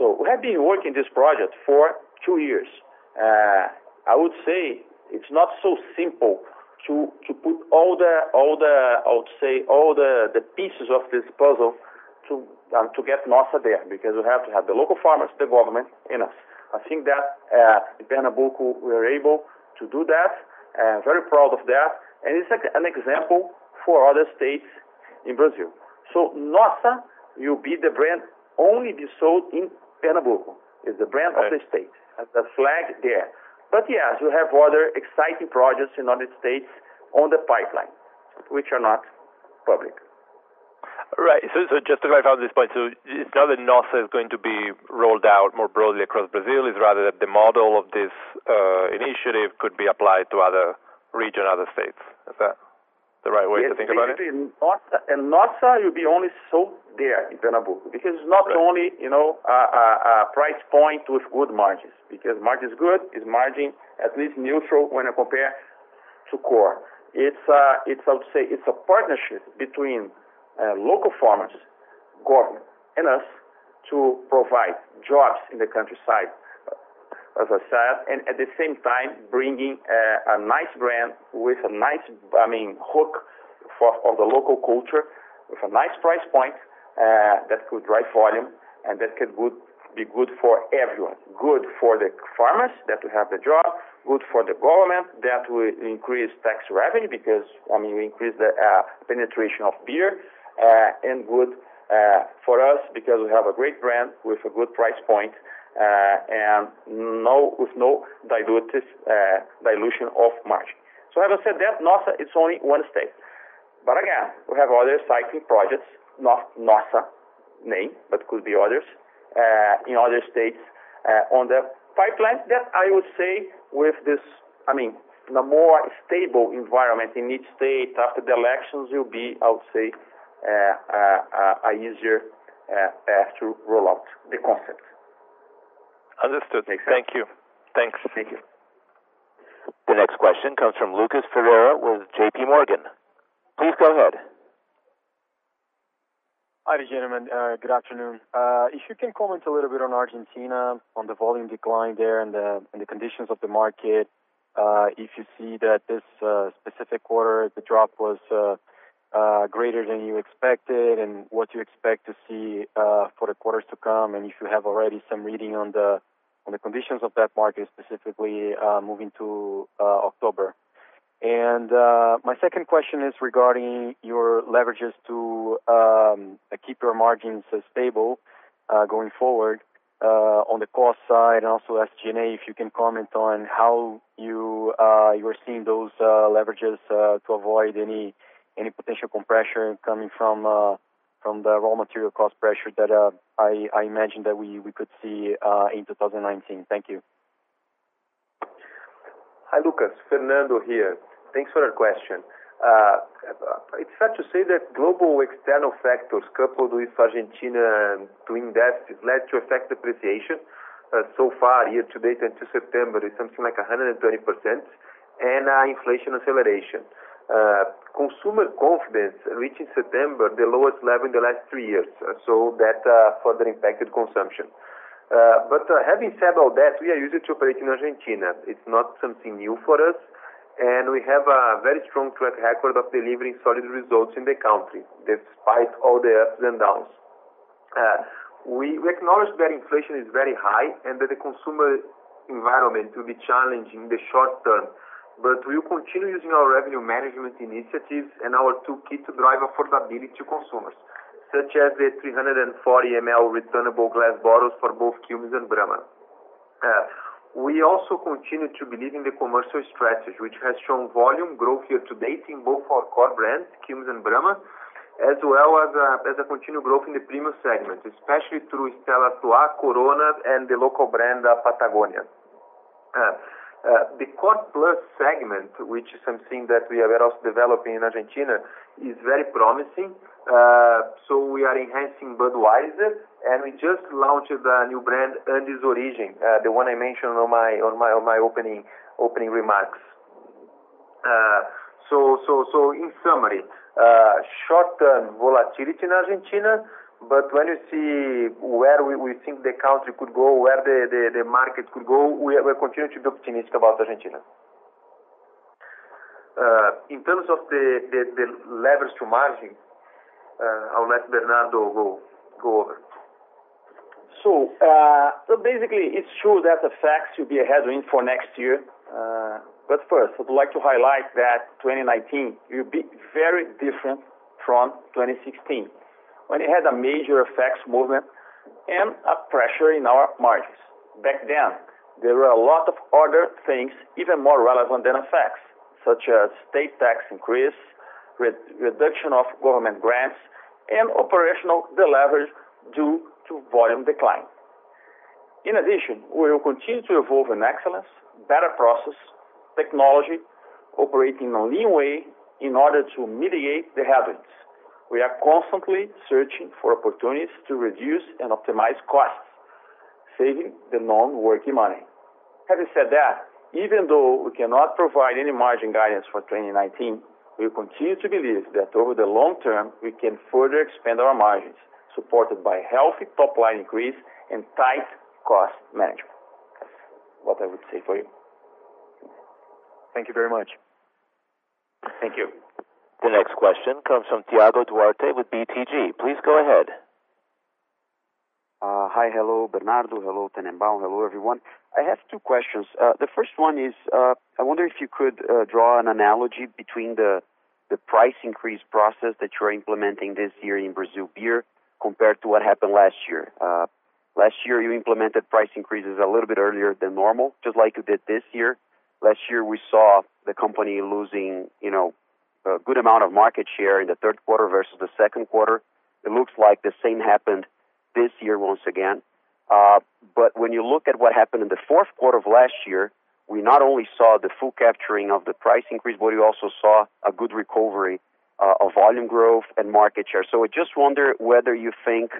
We have been working this project for two years. I would say it's not so simple to put all the pieces of this puzzle to get Nossa there because we have to have the local farmers, the government, and us. I think that in Pernambuco, we're able to do that, and very proud of that. It's like an example for other states in Brazil. Nossa will be the brand only be sold in Pernambuco, is the brand of the state.
Right.
As the flag there. Yes, we have other exciting projects in other states on the pipeline, which are not public.
Right. Just to verify this point. It's not that Nossa is going to be rolled out more broadly across Brazil, it's rather that the model of this initiative could be applied to other region, other states. Is that the right way to think about it?
Basically, Nossa, and Nossa will be only sold there in Pernambuco.
Right.
Because it's not only, you know, a price point with good margins because margin is good, is margin at least neutral when compared to core. It's a partnership between local farmers, government, and us to provide jobs in the countryside, as I said. At the same time bringing a nice brand with a nice, I mean, hook on the local culture with a nice price point that could drive volume and that could be good for everyone. Good for the farmers that will have the job, good for the government that will increase tax revenue because, I mean, we increase the penetration of beer, and good for us because we have a great brand with a good price point and with no dilutive dilution of margin. As I said, that Nossa, it's only one state. But again, we have other exciting projects, not Nossa name, but could be others, in other states, on the pipeline that I would say with this, I mean, in a more stable environment in each state after the elections will be, I would say, a easier path to roll out the concept.
Understood. Thank you. Thanks.
Thank you.
The next question comes from Lucas Ferreira with JPMorgan. Please go ahead.
Hi, gentlemen. Good afternoon. If you can comment a little bit on Argentina on the volume decline there and the conditions of the market, if you see that this specific quarter, the drop was greater than you expected and what you expect to see for the quarters to come, and if you have already some reading on the conditions of that market, specifically moving to October? My second question is regarding your leverages to keep your margins stable. Going forward, on the cost side and also SG&A, if you can comment on how you are seeing those leverages to avoid any potential compression coming from the raw material cost pressure that I imagine that we could see in 2019? Thank you.
Hi, Lucas. Fernando here. Thanks for the question. It's fair to say that global external factors coupled with Argentina's devaluation has led to FX depreciation. So far year-to-date and to September is something like 130% and inflation acceleration. Consumer confidence reached in September, the lowest level in the last three years. That further impacted consumption. Having said all that, we are used to operating in Argentina. It's not something new for us, and we have a very strong track record of delivering solid results in the country despite all the ups and downs. We acknowledge that inflation is very high and that the consumer environment will be challenging in the short term. We will continue using our revenue management initiatives and our toolkit to drive affordability to consumers, such as the 340 ml returnable glass bottles for both Quilmes and Brahma. We also continue to believe in the commercial strategy, which has shown volume growth year-to-date in both our core brands, Quilmes and Brahma, as well as a continued growth in the premium segment, especially through Stella Artois, Corona and the local brand, Patagonia. The core plus segment, which is something that we are also developing in Argentina, is very promising. We are enhancing Budweiser, and we just launched the new brand, Andes Origen, the one I mentioned on my opening remarks. In summary, short-term volatility in Argentina, but when you see where we think the country could go, where the market could go, we continue to be optimistic about Argentina. In terms of the levers to margin, I'll let Bernardo go over it.
Basically it's true that the FX will be a headwind for next year. First, I would like to highlight that 2019 will be very different from 2016 when it had a major FX movement and a pressure in our margins. Back then, there were a lot of other things even more relevant than FX, such as state tax increase, reduction of government grants, and operational deleverage due to volume decline. In addition, we will continue to evolve in excellence, better process, technology, operating a lean way in order to mitigate the headwinds. We are constantly searching for opportunities to reduce and optimize costs, saving the non-working money. Having said that, even though we cannot provide any margin guidance for 2019, we continue to believe that over the long term, we can further expand our margins supported by healthy top line increase and tight cost management. That's what I would say for you.
Thank you very much.
Thank you.
The next question comes from Thiago Duarte with BTG. Please go ahead.
Hi. Hello, Bernardo. Hello, Tennenbaum. Hello, everyone. I have two questions. The first one is, I wonder if you could draw an analogy between the price increase process that you are implementing this year in Brazil beer compared to what happened last year. Last year you implemented price increases a little bit earlier than normal, just like you did this year. Last year, we saw the company losing, you know, a good amount of market share in the third quarter versus the second quarter. It looks like the same happened this year once again. When you look at what happened in the fourth quarter of last year, we not only saw the full capturing of the price increase, but we also saw a good recovery of volume growth and market share. I just wonder whether you think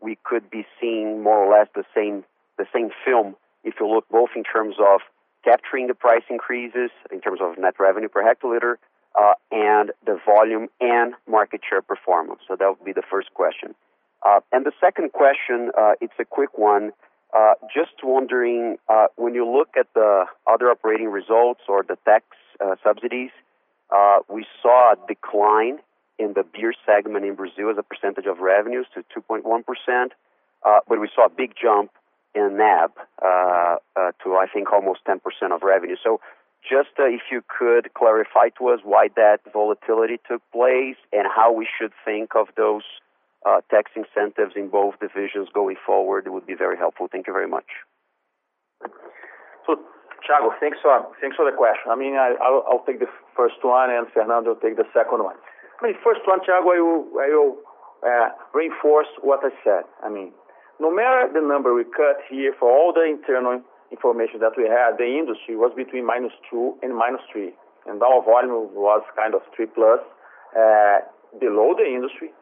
we could be seeing more or less the same film if you look both in terms of capturing the price increases, in terms of net revenue per hectoliter, and the volume and market share performance. That would be the first question. The second question, it's a quick one. Just wondering when you look at the other operating results or the tax subsidies, we saw a decline in the beer segment in Brazil as a percentage of revenues to 2.1%. But we saw a big jump in NAB to, I think, almost 10% of revenue. Just, if you could clarify to us why that volatility took place and how we should think of those tax incentives in both divisions going forward, it would be very helpful. Thank you very much.
Thiago, thanks for the question. I mean, I'll take the first one, and Fernando take the second one. I mean, first one, Thiago, I will reinforce what I said. I mean, no matter the number we cut here for all the internal information that we had, the industry was between -2% and -3%, and our volume was kind of 3%+ below the industry.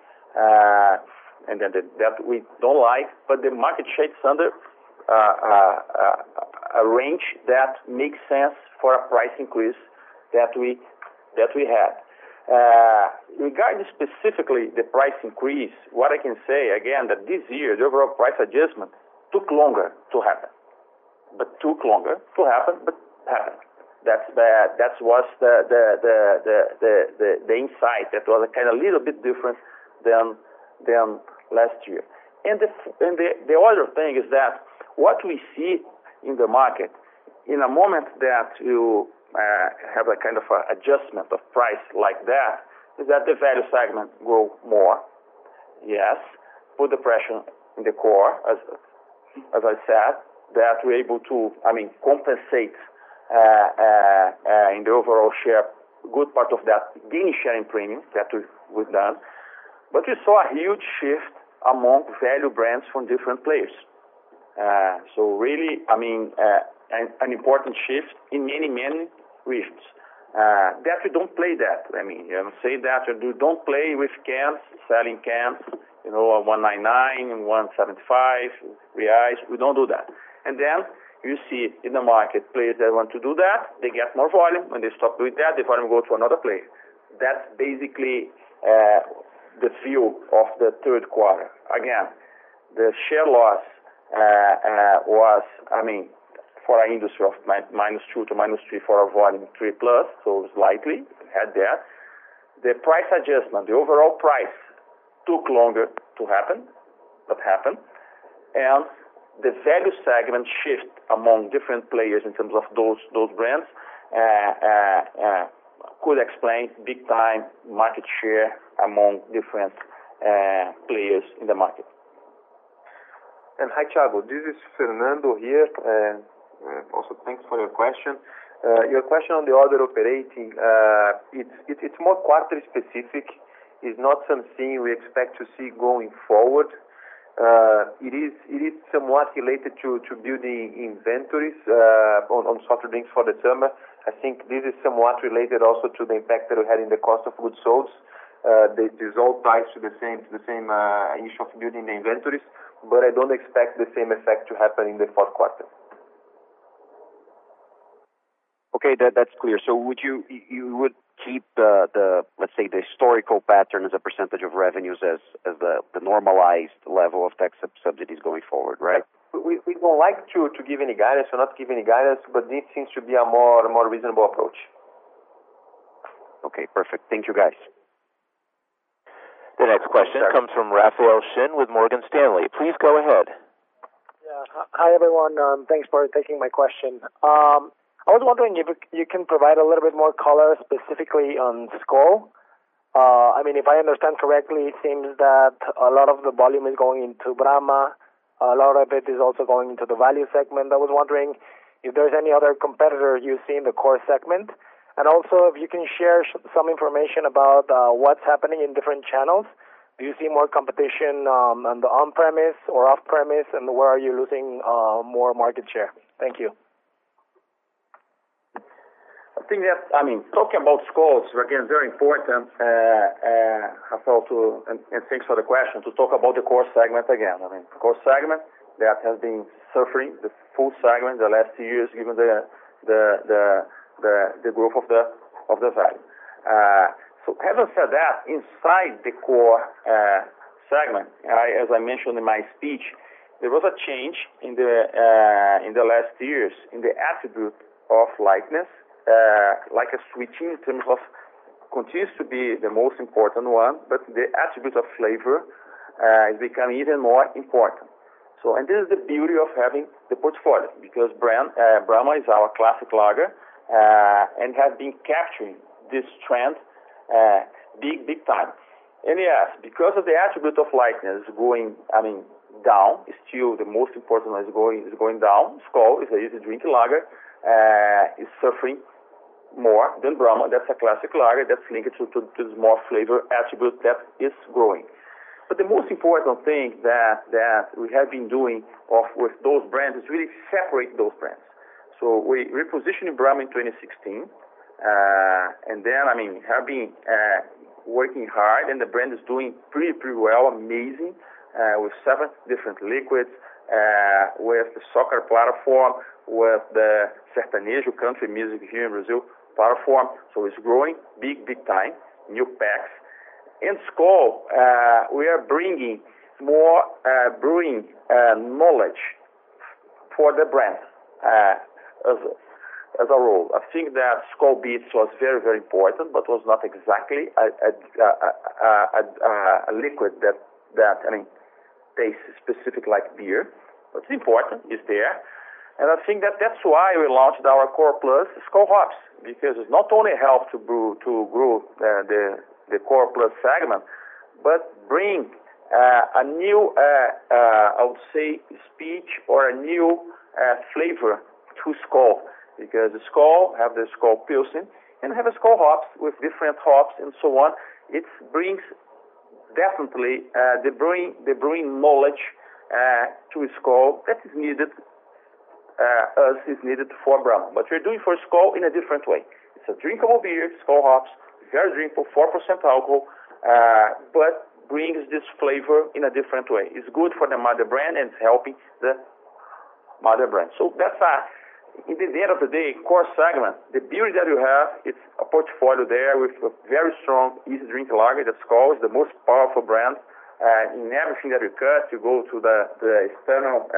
And then that we don't like, but the market share's under a range that makes sense for a price increase that we had. Regarding specifically the price increase, what I can say again that this year the overall price adjustment took longer to happen but happened. That was the insight that was kind of a little bit different than last year. The other thing is that what we see in the market. In a moment that you have a kind of adjustment of price like that, is that the value segment grow more. Yes, put the pressure in the core, as I said, that we're able to, I mean, compensate in the overall share good part of that gain sharing premium that we've done. But you saw a huge shift among value brands from different players. So really, I mean, an important shift in many regions. That we don't play that. I mean, I say that we don't play with cans, selling cans, you know, 1.99, 1.75 reals. We don't do that. Then you see in the market players that want to do that, they get more volume. When they stop doing that, the volume go to another place. That's basically the view of the third quarter. Again, the share loss was, I mean, for our industry -2% to -3%, for our volume +3%, so slightly had that. The price adjustment, the overall price took longer to happen, but happened. The value segment shift among different players in terms of those brands could explain big time market share among different players in the market.
Hi, Thiago. This is Fernando here, and also thanks for your question. Your question on the other operating, it's more quarter specific. It's not something we expect to see going forward. It is somewhat related to building inventories on softer drinks for the summer. I think this is somewhat related also to the impact that we had in the cost of goods sold. This all ties to the same issue of building the inventories. I don't expect the same effect to happen in the fourth quarter.
Okay. That's clear. You would keep the, let's say, the historical pattern as a percentage of revenues as the normalized level of tax subsidies going forward, right?
We don't like to give any guidance or not give any guidance, but this seems to be a more reasonable approach.
Okay, perfect. Thank you, guys.
The next question comes from Rafael Shin with Morgan Stanley. Please go ahead.
Yeah. Hi, everyone. Thanks for taking my question. I was wondering if you can provide a little bit more color specifically on Skol. I mean, if I understand correctly, it seems that a lot of the volume is going into Brahma. A lot of it is also going into the value segment. I was wondering if there's any other competitor you see in the core segment. Also, if you can share some information about what's happening in different channels. Do you see more competition on the on-premise or off-premise, and where are you losing more market share? Thank you.
I think that, I mean, talking about Skol is, again, very important, Rafael, and thanks for the question, to talk about the core segment again. I mean, core segment that has been suffering the full segment the last two years, given the growth of the value. Having said that, inside the core segment, as I mentioned in my speech, there was a change in the last years in the attribute of lightness, like a switching in terms of continues to be the most important one, but the attribute of flavor is becoming even more important. This is the beauty of having the portfolio, because brand Brahma is our classic lager and have been capturing this trend big time. Yes, because of the attribute of lightness going, I mean, down, it's still the most important one is going down. Skol is an easy-drinking lager is suffering more than Brahma. That's a classic lager that's linked to the malt flavor attribute that is growing. The most important thing that we have been doing with those brands is really separate those brands. We repositioned Brahma in 2016. And then, I mean, have been working hard, and the brand is doing pretty well, amazing, with seven different liquids, with the soccer platform, with the Sertanejo country music here in Brazil platform. It's growing big time, new packs. In Skol, we are bringing more brewing knowledge for the brand, as a rule. I think that Skol Beats was very, very important, but was not exactly a liquid that I mean tastes specific like beer. It's important, it's there. I think that that's why we launched our Core Plus, Skol Hops, because it not only helps to grow the Core Plus segment, but brings a new I would say speech or a new flavor to Skol. Because Skol has the Skol Pilsen and has a Skol Hops with different hops and so on. It brings definitely the brewing knowledge to Skol that is needed as is needed for Brahma. We're doing for Skol in a different way. It's a drinkable beer, Skol Hops, very drinkable, 4% alcohol, but brings this flavor in a different way. It's good for the mother brand, and it's helping the mother brand. That's, at the end of the day, core segment, the beauty that you have, it's a portfolio there with a very strong easy drinking lager. The Skol is the most powerful brand in everything that occurs. You go to the external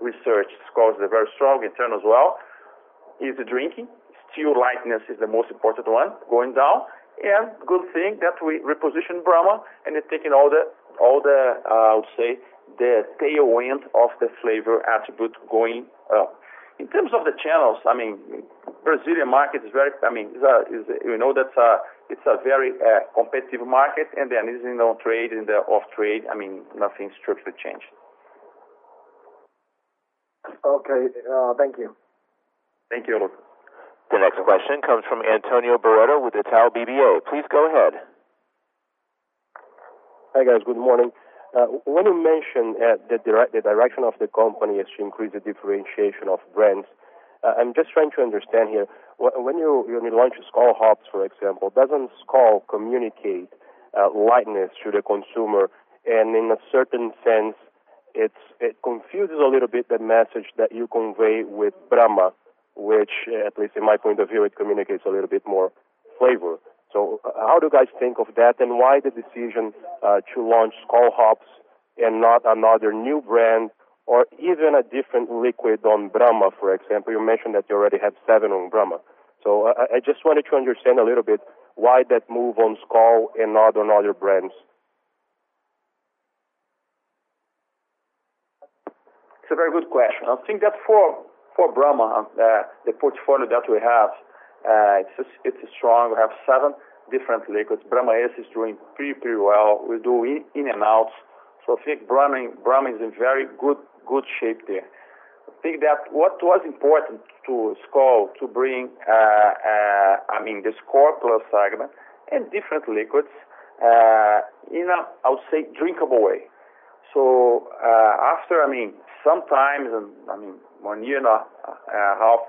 research. Skol is a very strong internal as well. Easy drinking. Still lightness is the most important one going down. Good thing that we repositioned Brahma, and it's taking all the, I would say, the tailwind of the flavor attribute going up. In terms of the channels, I mean, the Brazilian market is very competitive, we know that, and there is on trade and the off trade. I mean, nothing structurally changed.
Okay. Thank you.
Thank you.
The next question comes from Antonio Barreto with Itaú BBA. Please go ahead.
Hi, guys. Good morning. When you mentioned the direction of the company is to increase the differentiation of brands, I'm just trying to understand here. When you launched Skol Hops, for example, doesn't Skol communicate lightness to the consumer, and in a certain sense, it confuses a little bit the message that you convey with Brahma, which at least in my point of view, it communicates a little bit more flavor. So how do you guys think of that, and why the decision to launch Skol Hops and not another new brand or even a different liquid on Brahma, for example? You mentioned that you already have seven on Brahma. I just wanted to understand a little bit why that move on Skol and not on other brands.
It's a very good question. I think that for Brahma, the portfolio that we have, it's strong. We have seven different liquids. Brahma is doing pretty well. We do in and out. I think Brahma is in very good shape there. I think that what was important to Skol to bring, I mean, the Skol Plus segment and different liquids in a, I would say, drinkable way. After, I mean, sometimes, and I mean, one year and a half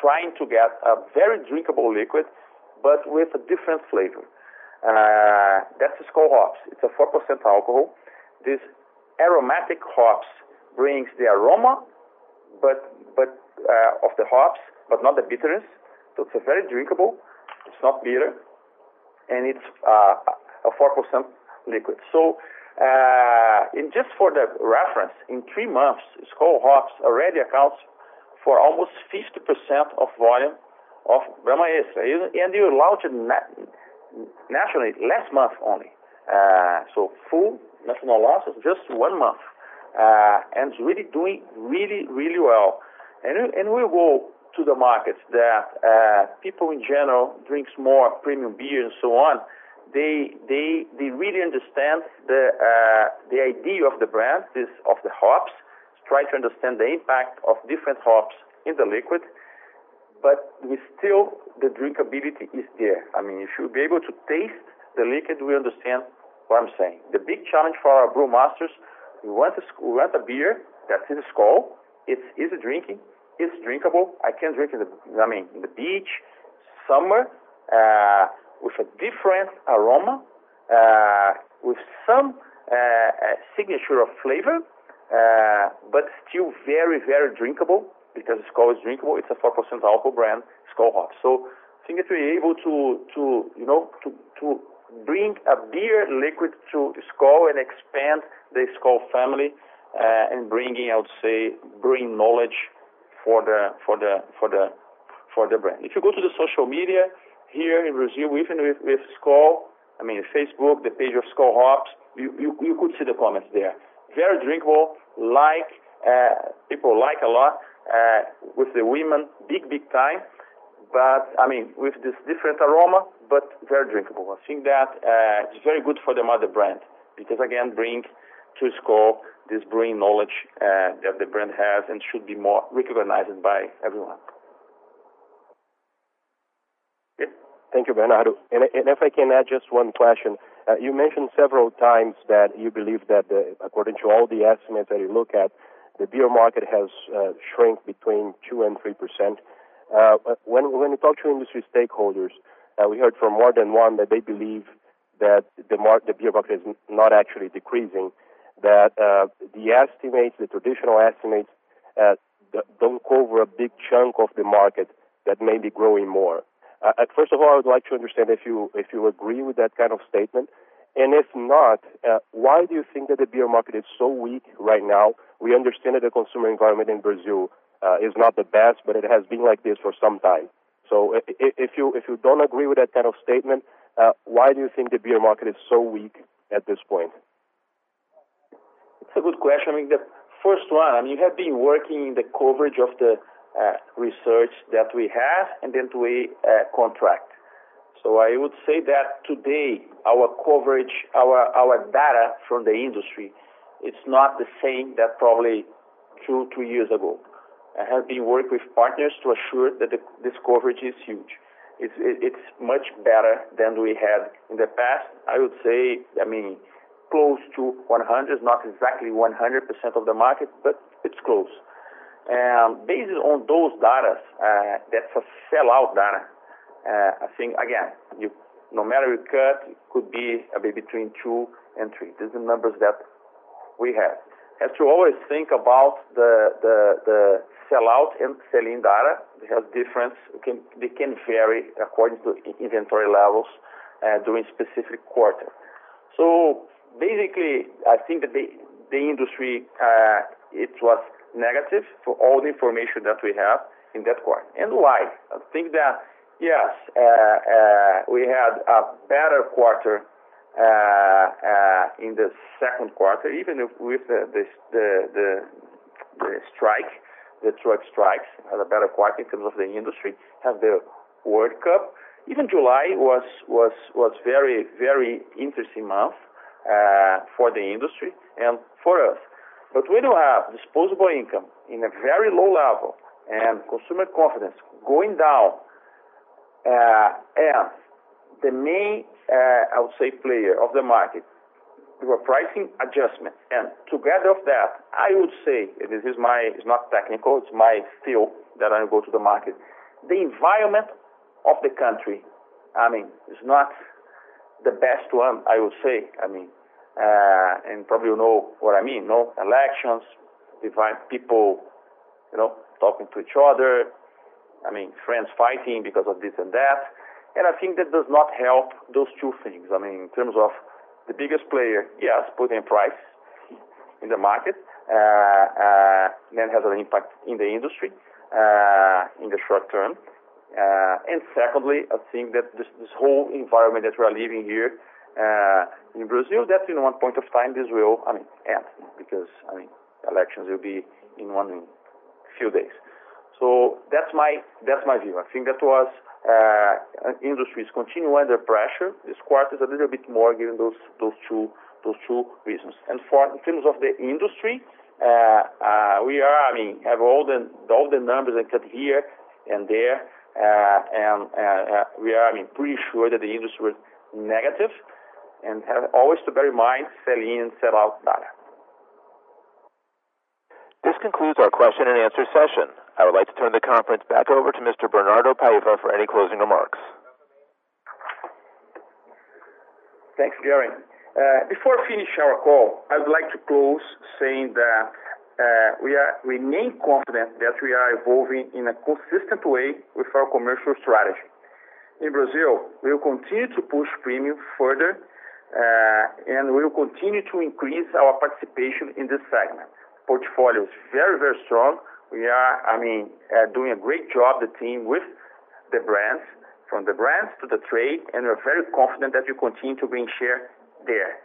trying to get a very drinkable liquid, but with a different flavor. That's Skol Hops. It's a 4% alcohol. This aromatic hops brings the aroma of the hops, but not the bitterness. It's a very drinkable, it's not bitter, and it's a 4% liquid. Just for the reference, in three months, Skol Hops already accounts for almost 50% of volume of Brahma. You launched nationally last month only. Full national launch is just one month. It's really doing really well. We go to the markets that people in general drinks more premium beer and so on. They really understand the idea of the brand, this of the hops. Try to understand the impact of different hops in the liquid, but we still the drinkability is there. I mean, if you'll be able to taste the liquid, we understand what I'm saying. The big challenge for our brew masters, we want a beer that's in Skol. It's easy drinking. It's drinkable. I can drink in the, I mean, in the beach, summer, with a different aroma, with some signature of flavor, but still very drinkable because Skol is drinkable. It's a 4% alcohol brand, Skol Hops. I think to be able to, you know, to bring a beer liquid to Skol and expand the Skol family, and bringing, I would say, bring knowledge for the brand. If you go to the social media here in Brazil, even with Skol, I mean, Facebook, the page of Skol Hops, you could see the comments there. Very drinkable, like, people like a lot, with the women, big time, but I mean, with this different aroma, but very drinkable. I think that it's very good for the mother brand because again, bring to Skol this brewing knowledge that the brand has and should be more recognized by everyone.
Thank you, Bernardo. If I can add just one question. You mentioned several times that you believe that according to all the estimates that you look at, the beer market has shrank between 2%-3%. When you talk to industry stakeholders, we heard from more than one that they believe that the beer market is not actually decreasing, that the estimates, the traditional estimates, don't cover a big chunk of the market that may be growing more. First of all, I would like to understand if you agree with that kind of statement, and if not, why do you think that the beer market is so weak right now? We understand that the consumer environment in Brazil is not the best, but it has been like this for some time. If you don't agree with that kind of statement, why do you think the beer market is so weak at this point?
It's a good question. I mean, the first one, I mean, have been working in the coverage of the research that we have and that we contract. I would say that today our coverage, our data from the industry is not the same that probably two, three years ago. I have been working with partners to assure that this coverage is huge. It's much better than we had in the past. I would say, I mean, close to 100, not exactly 100% of the market, but it's close. Based on those data, that's a sellout data. I think again, no matter how you cut it could be a bit between two and three. These are the numbers that we have. As you always think about the sellout and sell-in data, they have difference. It can vary according to in inventory levels during specific quarter. Basically, I think that the industry it was negative for all the information that we have in that quarter. Why? I think that, yes, we had a better quarter in the second quarter, even if with the strike, the truck strikes had a better quarter in terms of the industry, had the World Cup. July was very interesting month for the industry and for us. We do have disposable income in a very low level, and consumer confidence going down. The main player of the market do a pricing adjustment. Together of that, I would say, this is my. It's not technical, it's my feel that I go to the market. The environment of the country, I mean, is not the best one, I would say. I mean, probably you know what I mean, no? Elections divide people, you know, talking to each other. I mean, friends fighting because of this and that. I think that does not help those two things. I mean, in terms of the biggest player, yes, putting price in the market, that has an impact in the industry, in the short term. Secondly, I think that this whole environment that we're living here, in Brazil, that in one point of time, this will, I mean, end because, I mean, elections will be in a few days. That's my view. I think the industry is continuing under pressure. This quarter is a little bit more given those two reasons. In terms of the industry, I mean, we have all the numbers that come here and there, and I mean, we are pretty sure that the industry was negative. We have always to bear in mind sell-in, sell-out data.
This concludes our question and answer session. I would like to turn the conference back over to Mr. Bernardo Paiva for any closing remarks.
Thanks, Gary. Before I finish our call, I would like to close saying that, we remain confident that we are evolving in a consistent way with our commercial strategy. In Brazil, we will continue to push premium further, and we will continue to increase our participation in this segment. Portfolio is very, very strong. We are, I mean, doing a great job, the team, with the brands, from the brands to the trade, and we're very confident that we continue to gain share there.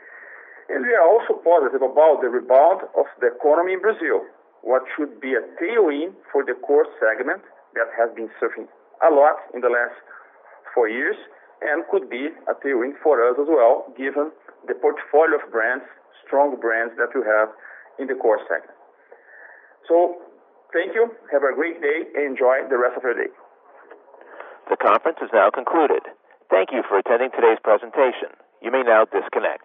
We are also positive about the rebound of the economy in Brazil, what should be a tailwind for the core segment that has been suffering a lot in the last four years, and could be a tailwind for us as well, given the portfolio of brands, strong brands that we have in the core segment. Thank you. Have a great day. Enjoy the rest of your day.
The conference is now concluded. Thank you for attending today's presentation. You may now disconnect.